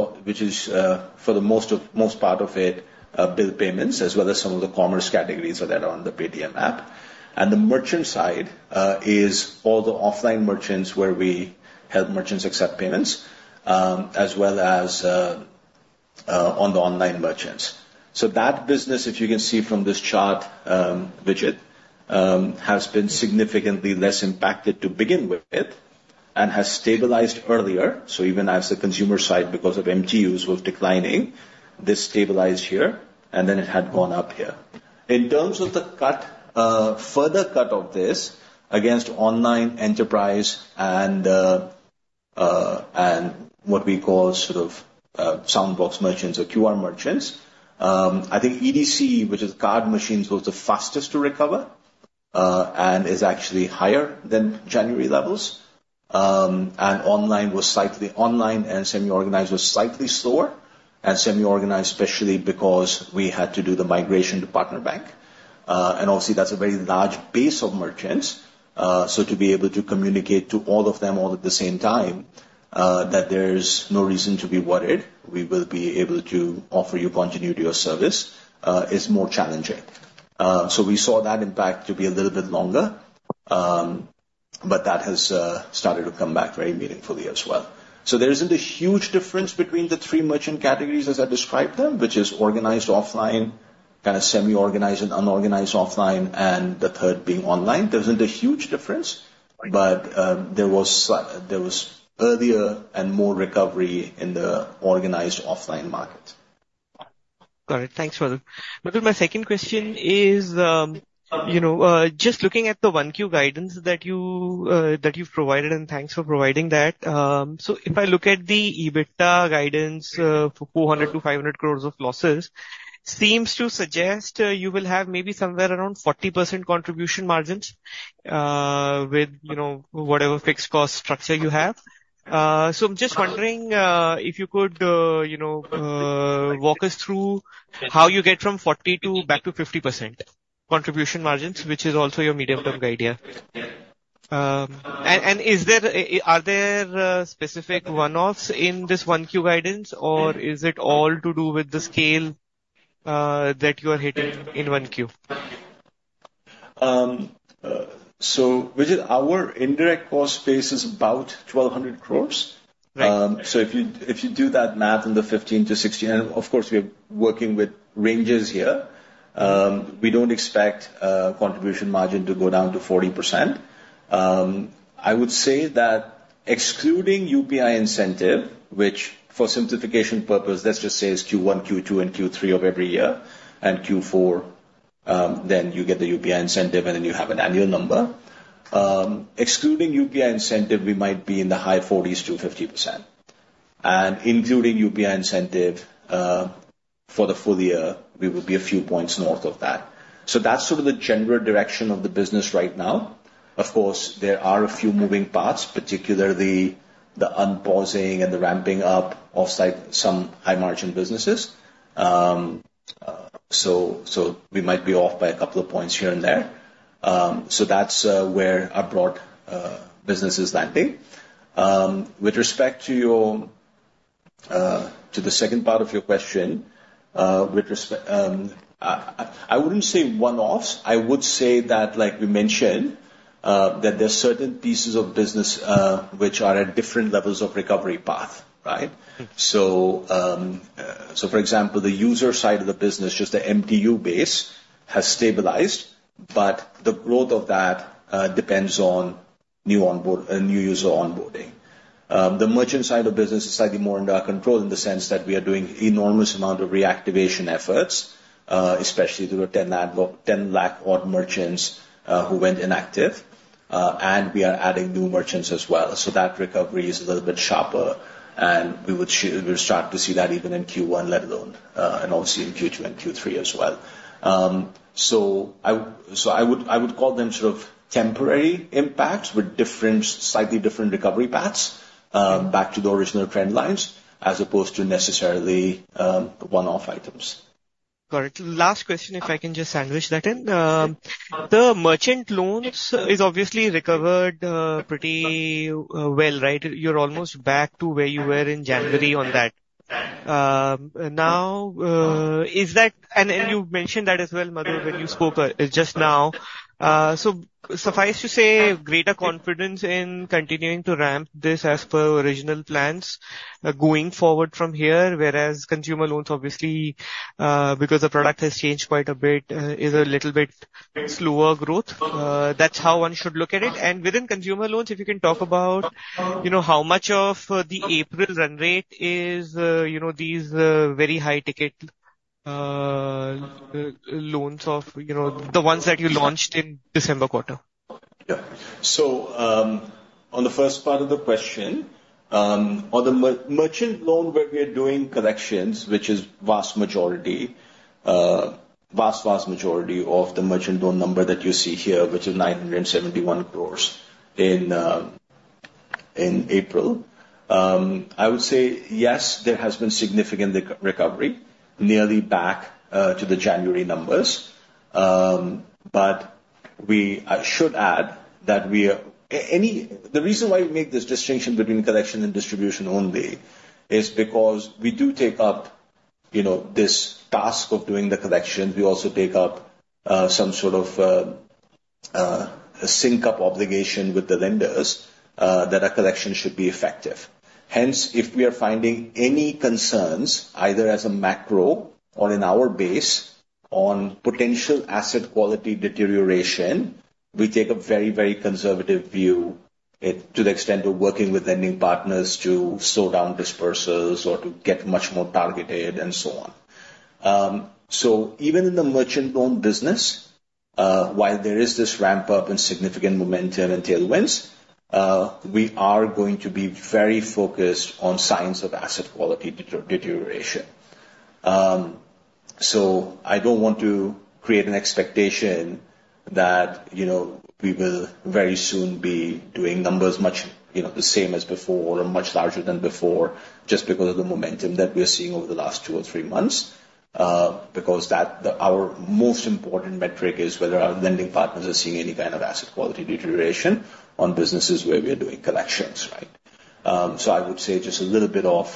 for the most part of it, bill payments, as well as some of the commerce categories that are on the Paytm app. And the merchant side is all the offline merchants where we help merchants accept payments, as well as on the online merchants. So that business, if you can see from this chart, Vijay, has been significantly less impacted to begin with, and has stabilized earlier. So even as the consumer side, because of GMV was declining, this stabilized here, and then it had gone up here. In terms of the cut, further cut of this against online enterprise and what we call sort of soundbox merchants or QR merchants, I think EDC, which is card machines, was the fastest to recover, and is actually higher than January levels. Online was slightly... Online and semi-organized was slightly slower, and semi-organized, especially because we had to do the migration to partner bank. Obviously, that's a very large base of merchants. So to be able to communicate to all of them all at the same time, that there's no reason to be worried, we will be able to offer you continuity of service, is more challenging. So we saw that impact to be a little bit longer, but that has started to come back very meaningfully as well. So there isn't a huge difference between the three merchant categories as I described them, which is organized, offline, kinda semi-organized and unorganized offline, and the third being online. There isn't a huge difference, but there was earlier and more recovery in the organized offline market. Got it. Thanks, Madhu. Madhu, my second question is, you know, just looking at the 1Q guidance that you've provided, and thanks for providing that. So if I look at the EBITDA guidance, for 400 crore-500 crore of losses, seems to suggest, you will have maybe somewhere around 40% contribution margins, with, you know, whatever fixed cost structure you have. So I'm just wondering, if you could, you know, walk us through how you get from 40% back to 50% contribution margins, which is also your medium-term idea. And, and is there, are there, specific one-offs in this 1Q guidance, or is it all to do with the scale, that you are hitting in 1Q? Vijay, our indirect cost base is about 1,200 crore. Right. So if you do that math in the 15-16, and of course, we are working with ranges here, we don't expect a contribution margin to go down to 40%. I would say that excluding UPI incentive, which for simplification purpose, let's just say is Q1, Q2, and Q3 of every year, and Q4, then you get the UPI incentive, and then you have an annual number. Excluding UPI incentive, we might be in the high 40s-50%. And including UPI incentive, for the full year, we would be a few points north of that. So that's sort of the general direction of the business right now. Of course, there are a few moving parts, particularly the unpausing and the ramping up of some high-margin businesses. So we might be off by a couple of points here and there. So that's where our broad business is landing. With respect to the second part of your question, I wouldn't say one-offs. I would say that, like we mentioned, that there are certain pieces of business which are at different levels of recovery path, right? Mm-hmm. So, for example, the user side of the business, just the MDU base, has stabilized, but the growth of that depends on new user onboarding. The merchant side of the business is slightly more under our control in the sense that we are doing enormous amount of reactivation efforts, especially there were 10 lakh odd merchants who went inactive, and we are adding new merchants as well. So that recovery is a little bit sharper, and we'll start to see that even in Q1, let alone, and obviously in Q2 and Q3 as well. So I would call them sort of temporary impacts with different, slightly different recovery paths back to the original trend lines, as opposed to necessarily one-off items. Got it. Last question, if I can just sandwich that in. The merchant loans is obviously recovered pretty well, right? You're almost back to where you were in January on that... Now, is that and, and you mentioned that as well, Madhu, when you spoke just now. So suffice to say, greater confidence in continuing to ramp this as per original plans going forward from here, whereas consumer loans, obviously, because the product has changed quite a bit, is a little bit slower growth. That's how one should look at it? And within consumer loans, if you can talk about, you know, how much of the April run rate is, you know, these very high ticket loans of, you know, the ones that you launched in December quarter. Yeah. So, on the first part of the question, on the merchant loan, where we are doing collections, which is vast majority, vast majority of the merchant loan number that you see here, which is 971 crore in April. I would say, yes, there has been significant recovery, nearly back to the January numbers. But I should add that we are anyway the reason why we make this distinction between collection and distribution only, is because we do take up, you know, this task of doing the collection. We also take up some sort of a sync-up obligation with the lenders, that our collection should be effective. Hence, if we are finding any concerns, either as a macro or in our base on potential asset quality deterioration, we take a very, very conservative view, to the extent of working with lending partners to slow down dispersals or to get much more targeted and so on. So even in the merchant loan business, while there is this ramp-up and significant momentum and tailwinds, we are going to be very focused on signs of asset quality deterioration. So I don't want to create an expectation that, you know, we will very soon be doing numbers much, you know, the same as before or much larger than before, just because of the momentum that we are seeing over the last two or three months. Because our most important metric is whether our lending partners are seeing any kind of asset quality deterioration on businesses where we are doing collections, right? So I would say just a little bit of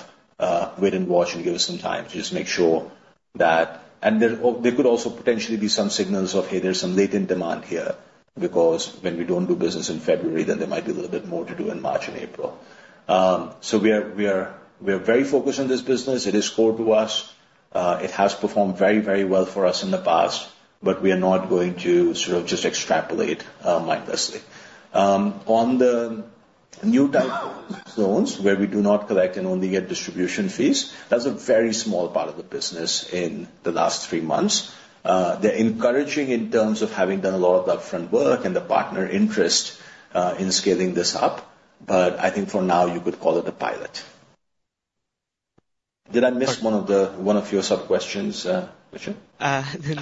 wait and watch and give us some time to just make sure that... And there could also potentially be some signals of, hey, there's some latent demand here, because when we don't do business in February, then there might be a little bit more to do in March and April. So we are very focused on this business. It is core to us. It has performed very, very well for us in the past, but we are not going to sort of just extrapolate mindlessly. On the new type of loans, where we do not collect and only get distribution fees, that's a very small part of the business in the last three months. They're encouraging in terms of having done a lot of upfront work and the partner interest in scaling this up, but I think for now, you could call it a pilot. Did I miss one of the, one of your sub-questions, Vishal?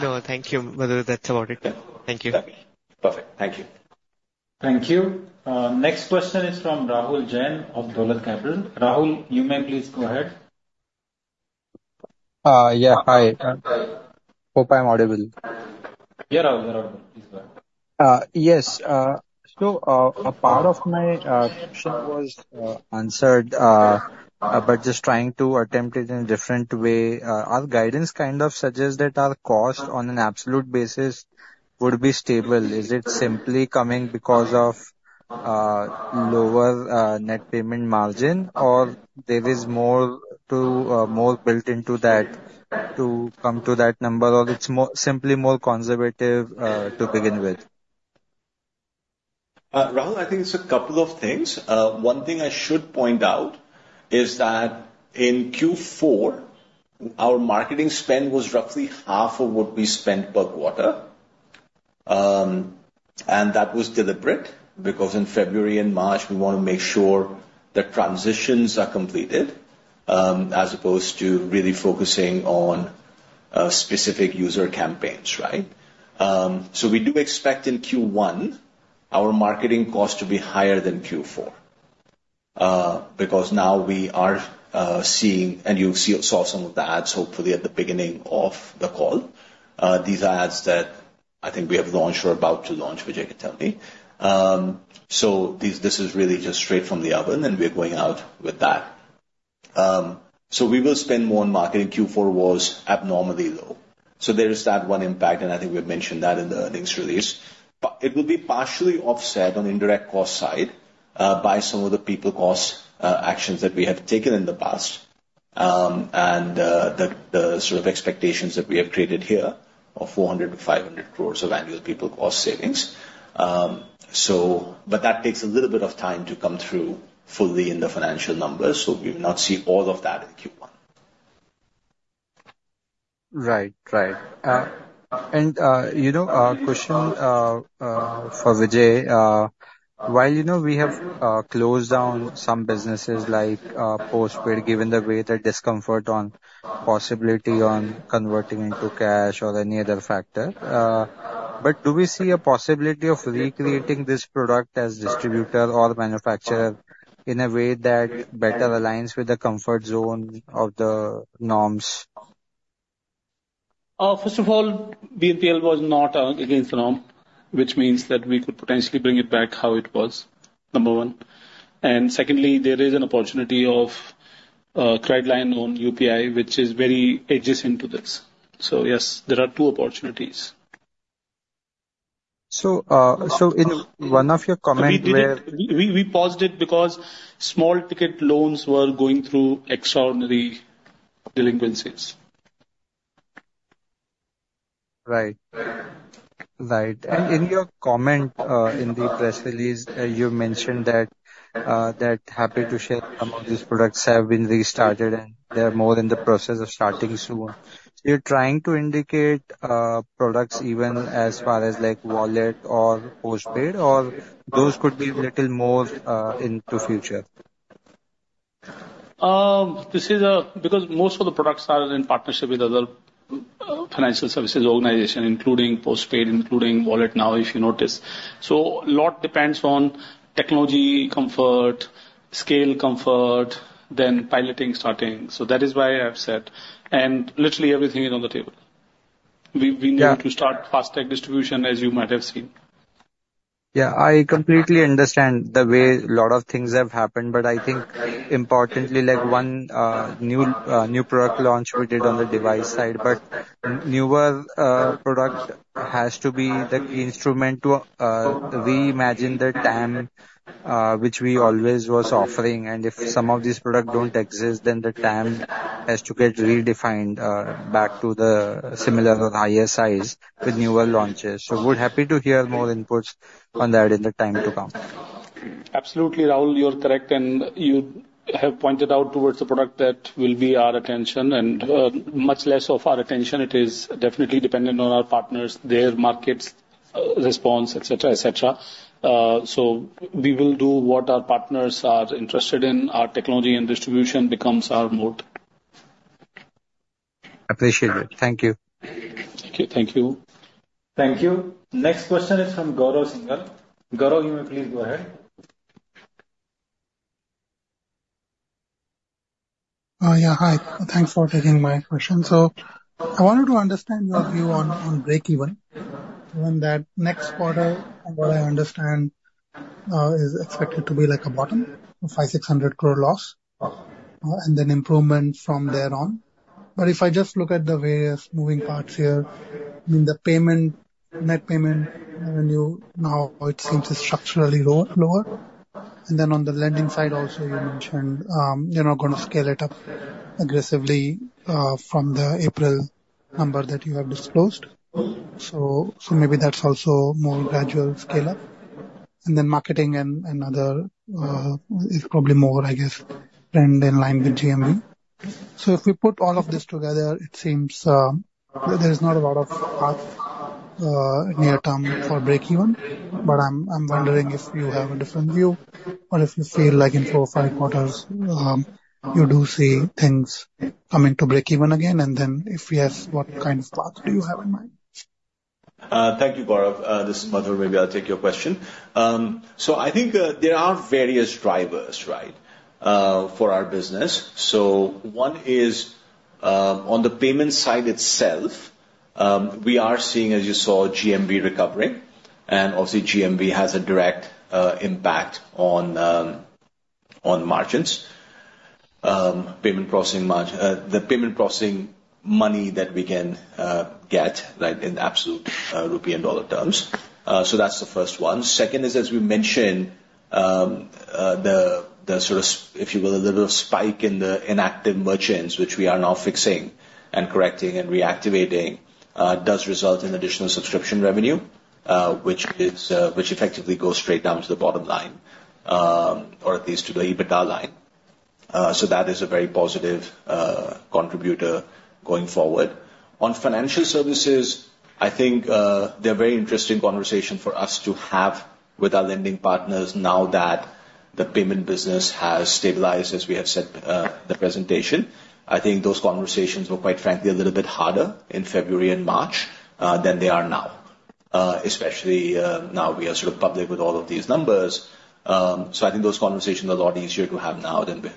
No, thank you, Madhu. That's about it. Yeah. Thank you. Perfect. Thank you. Thank you. Next question is from Rahul Jain of Dolat Capital. Rahul, you may please go ahead. Yeah, hi. Hope I'm audible. Yeah, Rahul, you're audible. Please go ahead. Yes. So, a part of my question was answered, but just trying to attempt it in a different way. Our guidance kind of suggests that our cost on an absolute basis would be stable. Is it simply coming because of lower net payment margin, or there is more to more built into that to come to that number, or it's more, simply more conservative to begin with? Rahul, I think it's a couple of things. One thing I should point out is that in Q4, our marketing spend was roughly half of what we spent per quarter. And that was deliberate, because in February and March, we want to make sure that transitions are completed, as opposed to really focusing on specific user campaigns, right? So we do expect in Q1, our marketing costs to be higher than Q4. Because now we are seeing, and you saw some of the ads, hopefully at the beginning of the call. These are ads that I think we have launched or about to launch, Vijay can tell me. So these, this is really just straight from the oven, and we're going out with that. So we will spend more on marketing. Q4 was abnormally low. There is that one impact, and I think we've mentioned that in the earnings release. But it will be partially offset on the indirect cost side by some of the people cost actions that we have taken in the past, and the sort of expectations that we have created here of 400 crore-500 crore of annual people cost savings. That takes a little bit of time to come through fully in the financial numbers, so we've not seen all of that in Q1. Right. Right. And you know, for Vijay, while you know we have closed down some businesses like postpaid, given the greater discomfort on the possibility of converting into cash or any other factor, but do we see a possibility of recreating this product as distributor or manufacturer in a way that better aligns with the comfort zone of the norms?... First of all, BNPL was not against the norm, which means that we could potentially bring it back how it was, number one. And secondly, there is an opportunity of credit line on UPI, which is very adjacent to this. So yes, there are two opportunities. So, in one of your comments where- We paused it because small ticket loans were going through extraordinary delinquencies. Right. Right. And in your comment, in the press release, you mentioned that that happy to share some of these products have been restarted, and they are more in the process of starting soon. So you're trying to indicate products even as far as, like, wallet or postpaid, or those could be a little more into future? This is because most of the products are in partnership with other financial services organization, including postpaid, including wallet, now, if you notice. So a lot depends on technology comfort, scale comfort, then piloting, starting. So that is why I have said, and literally everything is on the table. We- Yeah. We need to start FASTag distribution, as you might have seen. Yeah, I completely understand the way a lot of things have happened, but I think importantly, like, one new product launch we did on the device side. But newer product has to be the instrument to reimagine the TAM, which we always was offering. And if some of these products don't exist, then the TAM has to get redefined back to the similar or higher size with newer launches. So we're happy to hear more inputs on that in the time to come. Absolutely, Rahul, you're correct, and you have pointed out towards a product that will be our attention and, much less of our attention. It is definitely dependent on our partners, their markets, response, et cetera, et cetera. So we will do what our partners are interested in. Our technology and distribution becomes our mode. Appreciate it. Thank you. Okay, thank you. Thank you. Next question is from Gaurav Singhal. Gaurav, you may please go ahead. Yeah, hi. Thanks for taking my question. So I wanted to understand your view on breakeven, given that next quarter, from what I understand, is expected to be, like, a bottom of 500-600 crore loss, and then improvement from there on. But if I just look at the various moving parts here, I mean, the payment, net payment revenue now, it seems to structurally lower. And then on the lending side, also, you mentioned, you're not gonna scale it up aggressively from the April number that you have disclosed. So maybe that's also more gradual scale up. And then marketing and other is probably more, I guess, trend in line with GMV. So if we put all of this together, it seems there is not a lot of path near term for breakeven. But I'm, I'm wondering if you have a different view or if you feel like in 4 or 5 quarters, you do see things coming to breakeven again, and then if yes, what kind of path do you have in mind? Thank you, Gaurav. This is Madhur, maybe I'll take your question. So I think there are various drivers, right, for our business. So one is on the payment side itself, we are seeing, as you saw, GMV recovering, and obviously, GMV has a direct impact on margins. Payment processing—the payment processing money that we can get, like, in absolute rupee and dollar terms. So that's the first one. Second is, as we mentioned, the sort of, if you will, a little spike in the inactive merchants, which we are now fixing and correcting and reactivating, does result in additional subscription revenue, which effectively goes straight down to the bottom line, or at least to the EBITDA line. So that is a very positive contributor going forward. On financial services, I think, they're a very interesting conversation for us to have with our lending partners now that the payment business has stabilized, as we have said, the presentation. I think those conversations were, quite frankly, a little bit harder in February and March than they are now, especially now we are sort of public with all of these numbers. So I think those conversations are a lot easier to have now than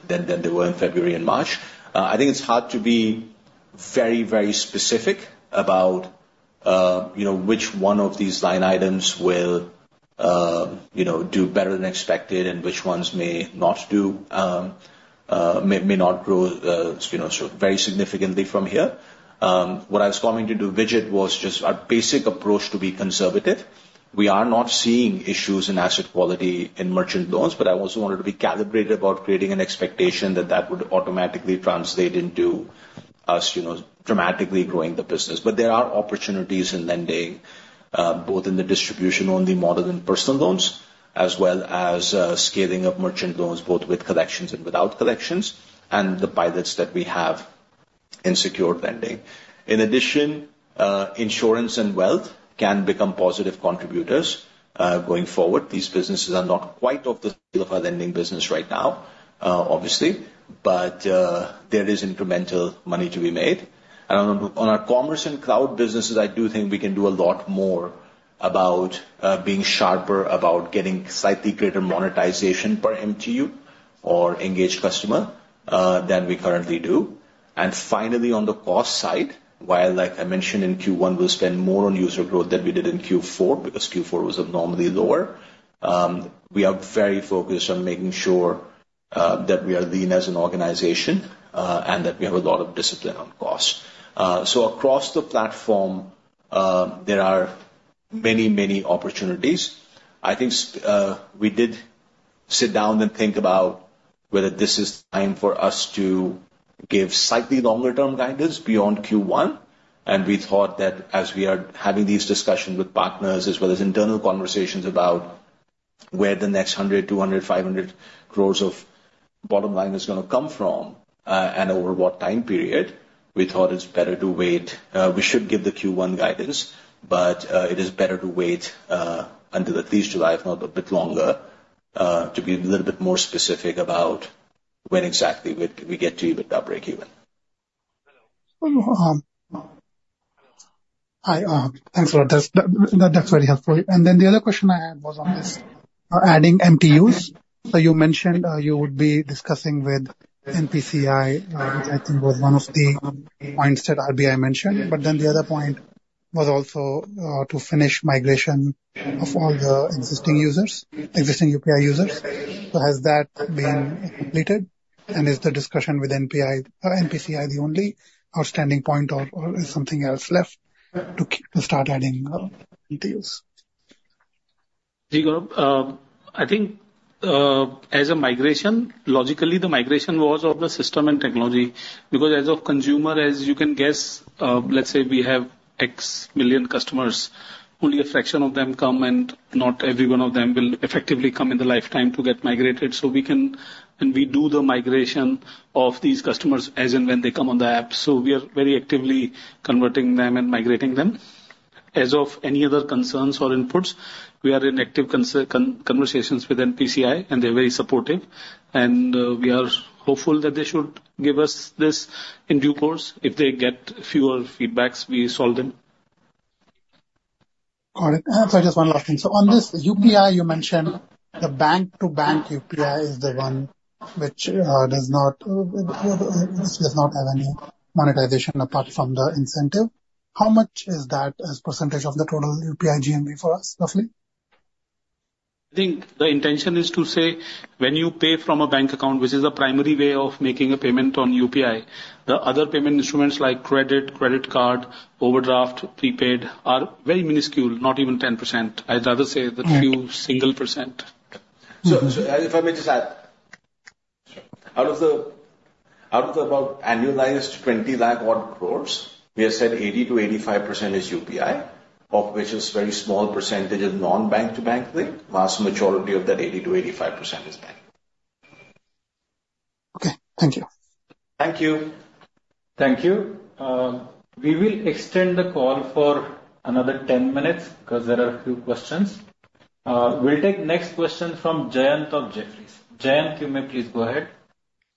they were in February and March. I think it's hard to be very, very specific about, you know, which one of these line items will, you know, do better than expected and which ones may not do, may not grow, you know, so very significantly from here. What I was commenting to Vijay was just our basic approach to be conservative. We are not seeing issues in asset quality in merchant loans, but I also wanted to be calibrated about creating an expectation that that would automatically translate into us, you know, dramatically growing the business. But there are opportunities in lending, both in the distribution-only model and personal loans, as well as scaling of merchant loans, both with collections and without collections, and the pilots that we have in secured lending. In addition, insurance and wealth can become positive contributors, going forward. These businesses are not quite off the scale of our lending business right now, obviously, but there is incremental money to be made. And on our commerce and cloud businesses, I do think we can do a lot more.... about being sharper, about getting slightly greater monetization per MTU or engaged customer than we currently do. And finally, on the cost side, while, like I mentioned, in Q1, we'll spend more on user growth than we did in Q4, because Q4 was abnormally lower, we are very focused on making sure that we are lean as an organization, and that we have a lot of discipline on cost. So across the platform, there are many, many opportunities. I think, we did sit down and think about whether this is time for us to give slightly longer term guidance beyond Q1, and we thought that as we are having these discussions with partners, as well as internal conversations about where the next 100 crore, 200 crore, 500 crore of bottom line is gonna come from, and over what time period, we thought it's better to wait. We should give the Q1 guidance, but, it is better to wait, until at least July, if not a bit longer, to be a little bit more specific about when exactly we, we get to with our breakeven. Hello. Hi, thanks for that. That's very helpful. And then the other question I had was on this adding MTUs. So you mentioned, you would be discussing with NPCI, which I think was one of the points that RBI mentioned. But then the other point was also, to finish migration of all the existing users, existing UPI users. So has that been completed? And is the discussion with NPCI the only outstanding point, or, or is something else left to to start adding, MTUs? I think, as a migration, logically, the migration was of the system and technology, because as of consumer, as you can guess, let's say we have X million customers, only a fraction of them come, and not every one of them will effectively come in the lifetime to get migrated. So we can... And we do the migration of these customers as and when they come on the app. So we are very actively converting them and migrating them. As of any other concerns or inputs, we are in active conversations with NPCI, and they're very supportive. And, we are hopeful that they should give us this in due course. If they get fewer feedbacks, we solve them. Got it. So just one last thing. So on this UPI, you mentioned the bank-to-bank UPI is the one which does not have any monetization apart from the incentive. How much is that as percentage of the total UPI GMV for us, roughly? I think the intention is to say, when you pay from a bank account, which is the primary way of making a payment on UPI, the other payment instruments, like credit, credit card, overdraft, prepaid, are very minuscule, not even 10%. I'd rather say a few single %. So, if I may just add. Sure. Out of about annualized 2,000,000 crore, we have said 80%-85% is UPI, of which is very small percentage is non-bank to bank. The vast majority of that 80%-85% is bank. Okay. Thank you. Thank you. Thank you. We will extend the call for another 10 minutes because there are a few questions. We'll take next question from Jayant of Jefferies. Jayant, you may please go ahead.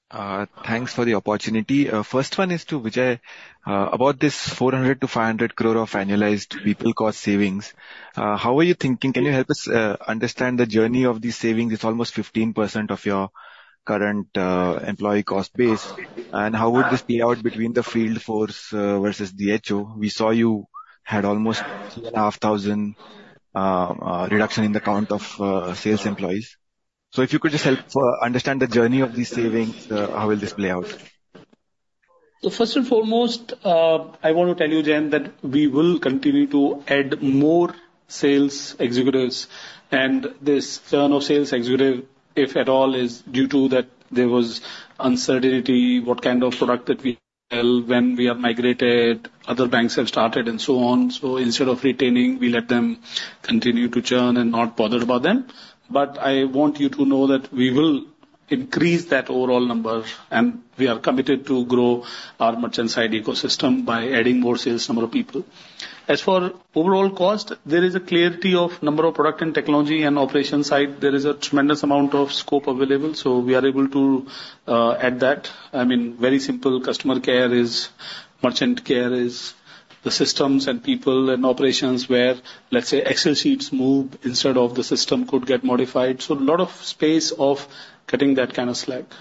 Thanks for the opportunity. First one is to Vijay. About this 400 crore-500 crore of annualized people cost savings, how are you thinking? Can you help us understand the journey of these savings? It's almost 15% of your current employee cost base. And how would this play out between the field force versus the HO? We saw you had almost 3,500 reduction in the count of sales employees. So if you could just help understand the journey of these savings, how will this play out? So first and foremost, I want to tell you, Jayant, that we will continue to add more sales executives. And this turnover of sales executives, if at all, is due to that there was uncertainty, what kind of product that we sell, when we are migrated, other banks have started, and so on. So instead of retaining, we let them continue to churn and not bothered about them. But I want you to know that we will increase that overall number, and we are committed to grow our merchant side ecosystem by adding more sales, number of people. As for overall cost, there is a clarity of number of product and technology and operation side. There is a tremendous amount of scope available, so we are able to add that. I mean, very simple, customer care is merchant care, is the systems and people and operations where, let's say, Excel sheets move instead of the system could get modified. So a lot of space of cutting that kind of slack.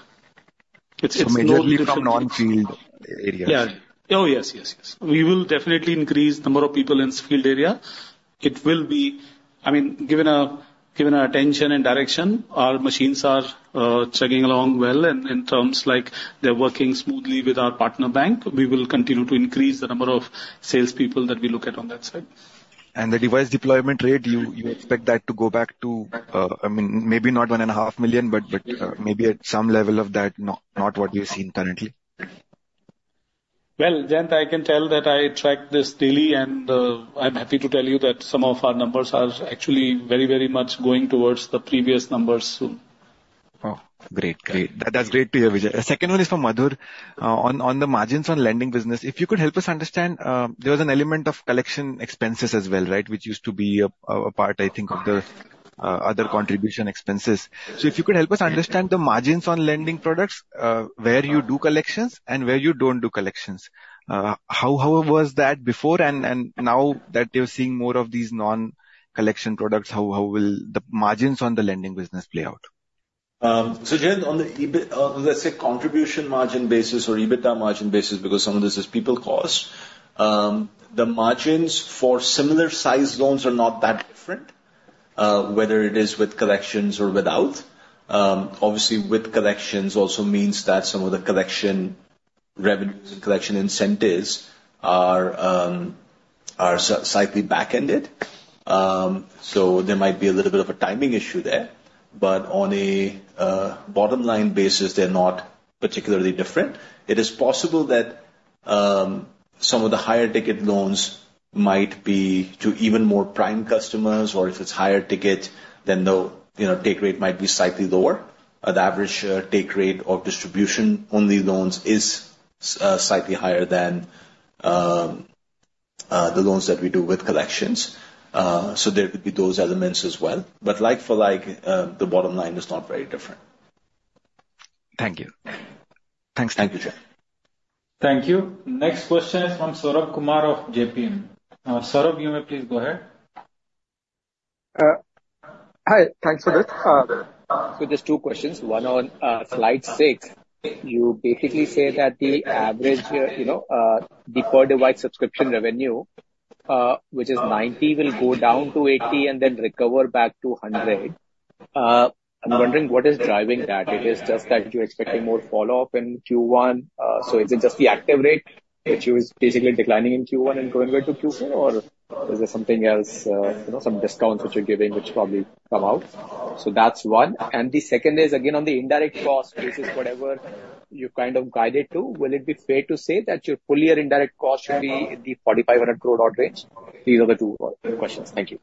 It's- Majorly from non-field areas? Yeah. Oh, yes, yes, yes. We will definitely increase the number of people in field area. It will be... I mean, given our attention and direction, our machines are chugging along well in terms like they're working smoothly with our partner bank. We will continue to increase the number of salespeople that we look at on that side. The device deployment rate, you expect that to go back to, I mean, maybe not 1.5 million, but maybe at some level of that, not what we've seen currently? Well, Jayant, I can tell that I track this daily, and I'm happy to tell you that some of our numbers are actually very, very much going towards the previous numbers soon. Oh, great, great. That, that's great to hear, Vijay. The second one is for Madhur. On the margins on lending business, if you could help us understand, there was an element of collection expenses as well, right? Which used to be a part, I think, of the- ... other contribution expenses. So if you could help us understand the margins on lending products, where you do collections and where you don't do collections. How was that before? And now that you're seeing more of these non-collection products, how will the margins on the lending business play out? So, Jayant, on the, let's say, contribution margin basis or EBITDA margin basis, because some of this is people cost, the margins for similar size loans are not that different, whether it is with collections or without. Obviously, with collections also means that some of the collection revenues and collection incentives are, are slightly back-ended. So there might be a little bit of a timing issue there. But on a, bottom line basis, they're not particularly different. It is possible that, some of the higher ticket loans might be to even more prime customers, or if it's higher ticket, then the, you know, take rate might be slightly lower. The average, take rate of distribution on the loans is, slightly higher than, the loans that we do with collections. There could be those elements as well. But like for like, the bottom line is not very different. Thank you. Thanks. Thank you, Jayant. Thank you. Next question is from Saurabh Kumar of JPM. Saurabh, you may please go ahead. Hi. Thanks for this. So just two questions. One on slide 6. You basically say that the average, you know, default-wide subscription revenue, which is 90, will go down to 80 and then recover back to 100. I'm wondering what is driving that? It is just that you're expecting more follow-up in Q1. So is it just the active rate, which is basically declining in Q1 and going back to Q2, or is there something else, you know, some discounts which you're giving, which probably come out? So that's one. And the second is, again, on the indirect cost, which is whatever you kind of guided to, will it be fair to say that your full year indirect cost should be in the 4,500 crore range? These are the two questions. Thank you.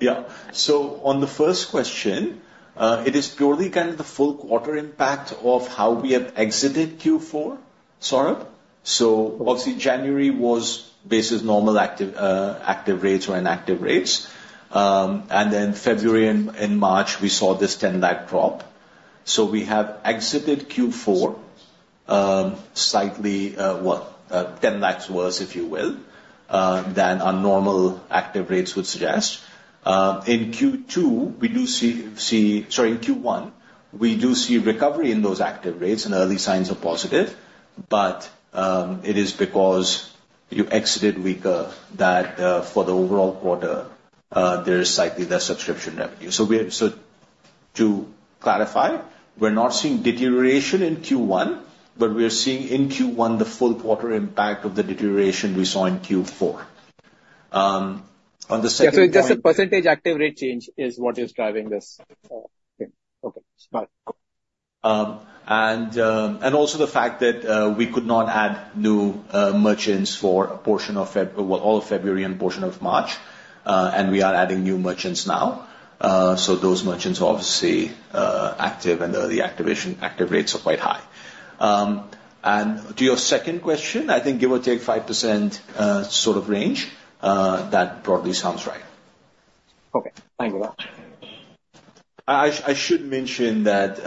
Yeah. So on the first question, it is purely kind of the full quarter impact of how we have exited Q4, Saurabh. So obviously, January was business as normal, active rates or inactive rates. And then February and March, we saw this 10 lakh drop. So we have exited Q4, slightly, 10 lakhs worse, if you will, than our normal active rates would suggest. In Q1, we do see recovery in those active rates, and early signs are positive, but, it is because you exited weaker, that, for the overall quarter, there is slightly less subscription revenue. So to clarify, we're not seeing deterioration in Q1, but we are seeing in Q1, the full quarter impact of the deterioration we saw in Q4. On the second point- Yeah, so it's just a percentage active rate change is what is driving this? Okay. Got it. And also the fact that we could not add new merchants for all of February and portion of March, and we are adding new merchants now. So those merchants are obviously active, and early activation active rates are quite high. And to your second question, I think give or take 5%, sort of range, that broadly sounds right. Okay. Thank you very much. I should mention that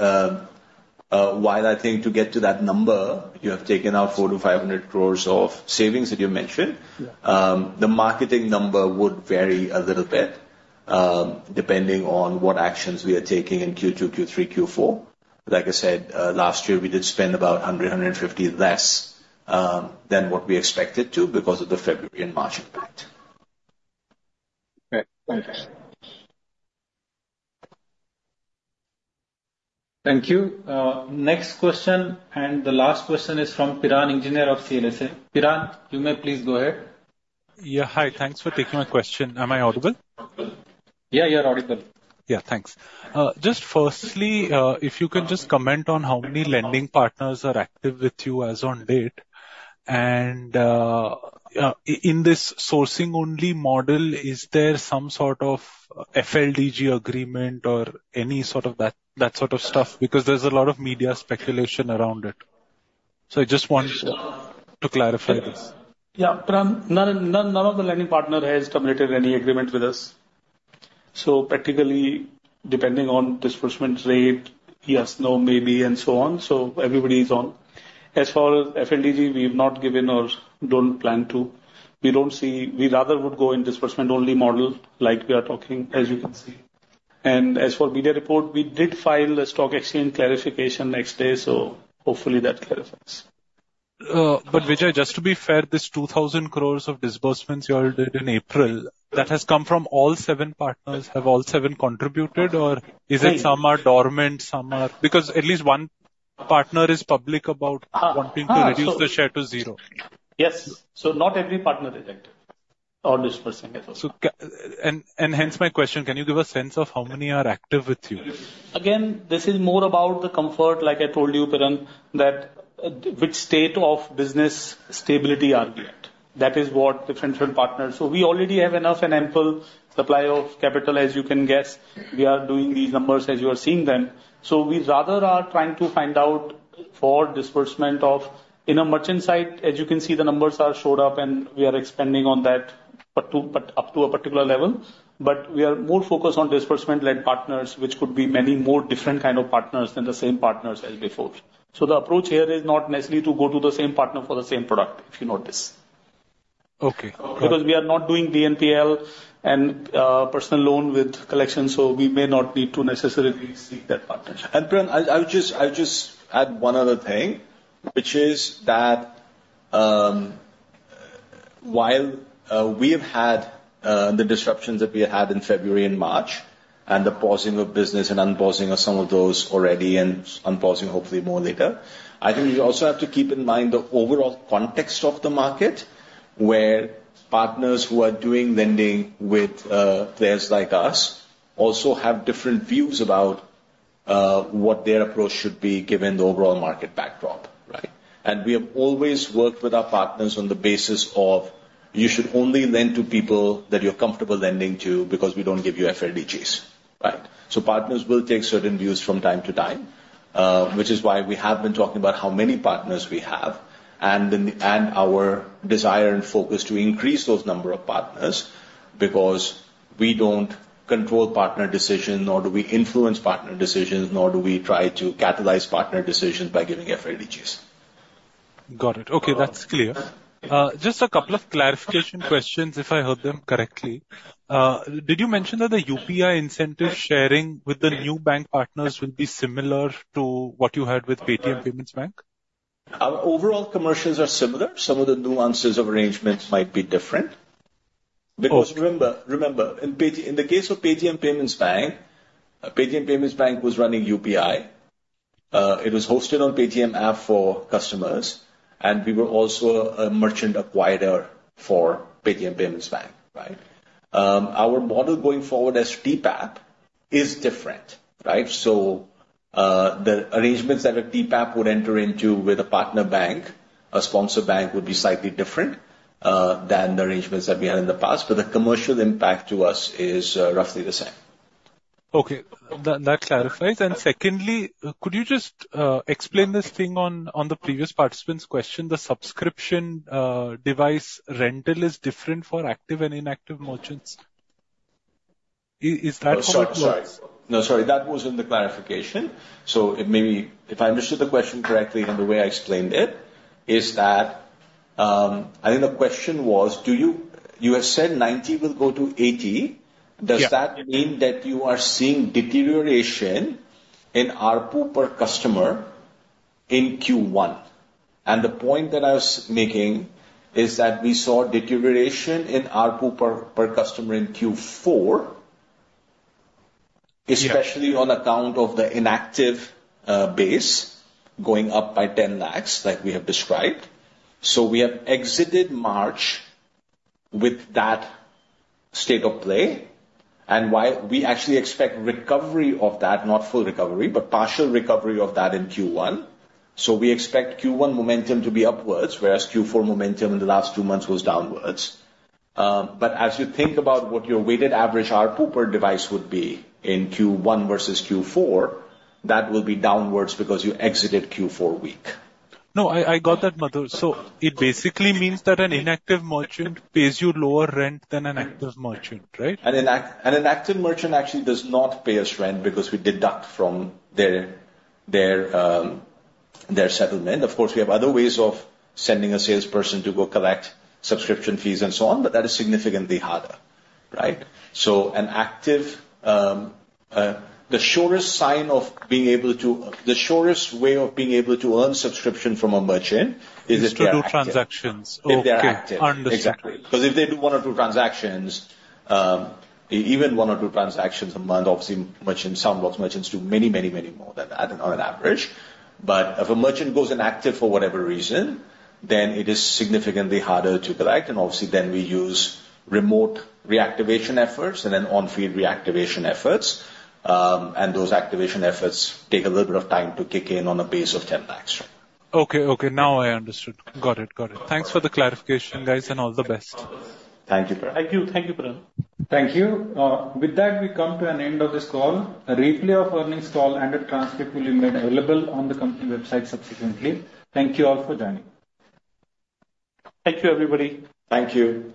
while I think to get to that number, you have taken out 400 crore-500 crore of savings that you mentioned. Yeah. The marketing number would vary a little bit, depending on what actions we are taking in Q2, Q3, Q4. Like I said, last year, we did spend about 100-150 less than what we expected to because of the February and March impact. Great. Thanks. Thank you. Next question, and the last question is from Piran Engineer of CLSA. Piran, you may please go ahead. Yeah, hi. Thanks for taking my question. Am I audible? Yeah, you're audible. Yeah, thanks. Just firstly, if you can just comment on how many lending partners are active with you as on date. In this sourcing-only model, is there some sort of FLDG agreement or any sort of that, that sort of stuff? Because there's a lot of media speculation around it. So I just want you to clarify this. Yeah, Piran, none, none, none of the lending partner has committed any agreement with us. So practically, depending on disbursement rate, yes, no, maybe, and so on, so everybody is on. As for FLDG, we've not given or don't plan to. We don't see... We rather would go in disbursement-only model, like we are talking, as you can see. And as for media report, we did file a stock exchange clarification next day, so hopefully that clarifies. But Vijay, just to be fair, this 2,000 crore of disbursements you all did in April, that has come from all seven partners. Have all seven contributed, or is it some are dormant, some are- because at least one partner is public about- Uh, uh, so- wanting to reduce the share to zero. Yes. So not every partner is active or disbursing at all. Hence my question, can you give a sense of how many are active with you? Again, this is more about the comfort, like I told you, Piran, that which state of business stability are we at? That is what the potential partners... So we already have enough and ample supply of capital, as you can guess. We are doing these numbers as you are seeing them. So we rather are trying to find out for disbursement of... In our merchant side, as you can see, the numbers are showed up, and we are expanding on that... but up to a particular level. But we are more focused on disbursement-led partners, which could be many more different kind of partners than the same partners as before. So the approach here is not necessarily to go to the same partner for the same product, if you notice. Okay. Because we are not doing BNPL and personal loan with collection, so we may not need to necessarily seek that partner. Piran, I, I'll just, I'll just add one other thing, which is that, while we have had the disruptions that we had in February and March, and the pausing of business and unpausing of some of those already, and unpausing hopefully more later, I think you also have to keep in mind the overall context of the market, where partners who are doing lending with players like us also have different views about what their approach should be, given the overall market backdrop, right? And we have always worked with our partners on the basis of, you should only lend to people that you're comfortable lending to, because we don't give you FLDGs, right? Partners will take certain views from time to time, which is why we have been talking about how many partners we have, and our desire and focus to increase those number of partners, because we don't control partner decisions, nor do we influence partner decisions, nor do we try to catalyze partner decisions by giving FLDGs. Got it. Okay, that's clear. Just a couple of clarification questions, if I heard them correctly. Did you mention that the UPI incentive sharing with the new bank partners will be similar to what you had with Paytm Payments Bank? Our overall commercials are similar. Some of the nuances of arrangements might be different. Okay. Because remember, remember, in the case of Paytm Payments Bank, Paytm Payments Bank was running UPI. It was hosted on Paytm app for customers, and we were also a merchant acquirer for Paytm Payments Bank, right? Our model going forward as TPAP is different, right? So, the arrangements that a TPAP would enter into with a partner bank, a sponsor bank, would be slightly different than the arrangements that we had in the past, but the commercial impact to us is roughly the same. Okay. That, that clarifies. And secondly, could you just explain this thing on the previous participant's question? The subscription, device rental is different for active and inactive merchants. Is, is that how it works? Oh, sorry, sorry. No, sorry. That was in the clarification, so it may be... If I understood the question correctly and the way I explained it, is that, I think the question was: do you-- You have said 90 will go to 80. Yeah. Does that mean that you are seeing deterioration in ARPU per customer in Q1? And the point that I was making is that we saw deterioration in ARPU per customer in Q4- Yeah. especially on account of the inactive base going up by 10 lakhs, like we have described. So we have exited March with that state of play, and while we actually expect recovery of that, not full recovery, but partial recovery of that in Q1. So we expect Q1 momentum to be upwards, whereas Q4 momentum in the last two months was downwards. But as you think about what your weighted average ARPU per device would be in Q1 versus Q4, that will be downwards because you exited Q4 weak. No, I got that, Madhur. So it basically means that an inactive merchant pays you lower rent than an active merchant, right? An inactive merchant actually does not pay us rent, because we deduct from their settlement. Of course, we have other ways of sending a salesperson to go collect subscription fees and so on, but that is significantly harder, right? So an active. The surest way of being able to earn subscription from a merchant is if they are active. Is to do transactions. If they are active. Okay. Understood. Exactly. Because if they do 1 or 2 transactions, even 1 or 2 transactions a month, obviously merchants, some of those merchants do many, many, many more than that on an average. But if a merchant goes inactive for whatever reason, then it is significantly harder to collect, and obviously then we use remote reactivation efforts and then on-field reactivation efforts. And those activation efforts take a little bit of time to kick in on a base of 10 lakhs. Okay, okay, now I understood. Got it, got it. Thanks for the clarification, guys, and all the best. Thank you, Saurabh. Thank you. Thank you, Saurabh. Thank you. With that, we come to an end of this call. A replay of earnings call and a transcript will be made available on the company website subsequently. Thank you all for joining. Thank you, everybody. Thank you.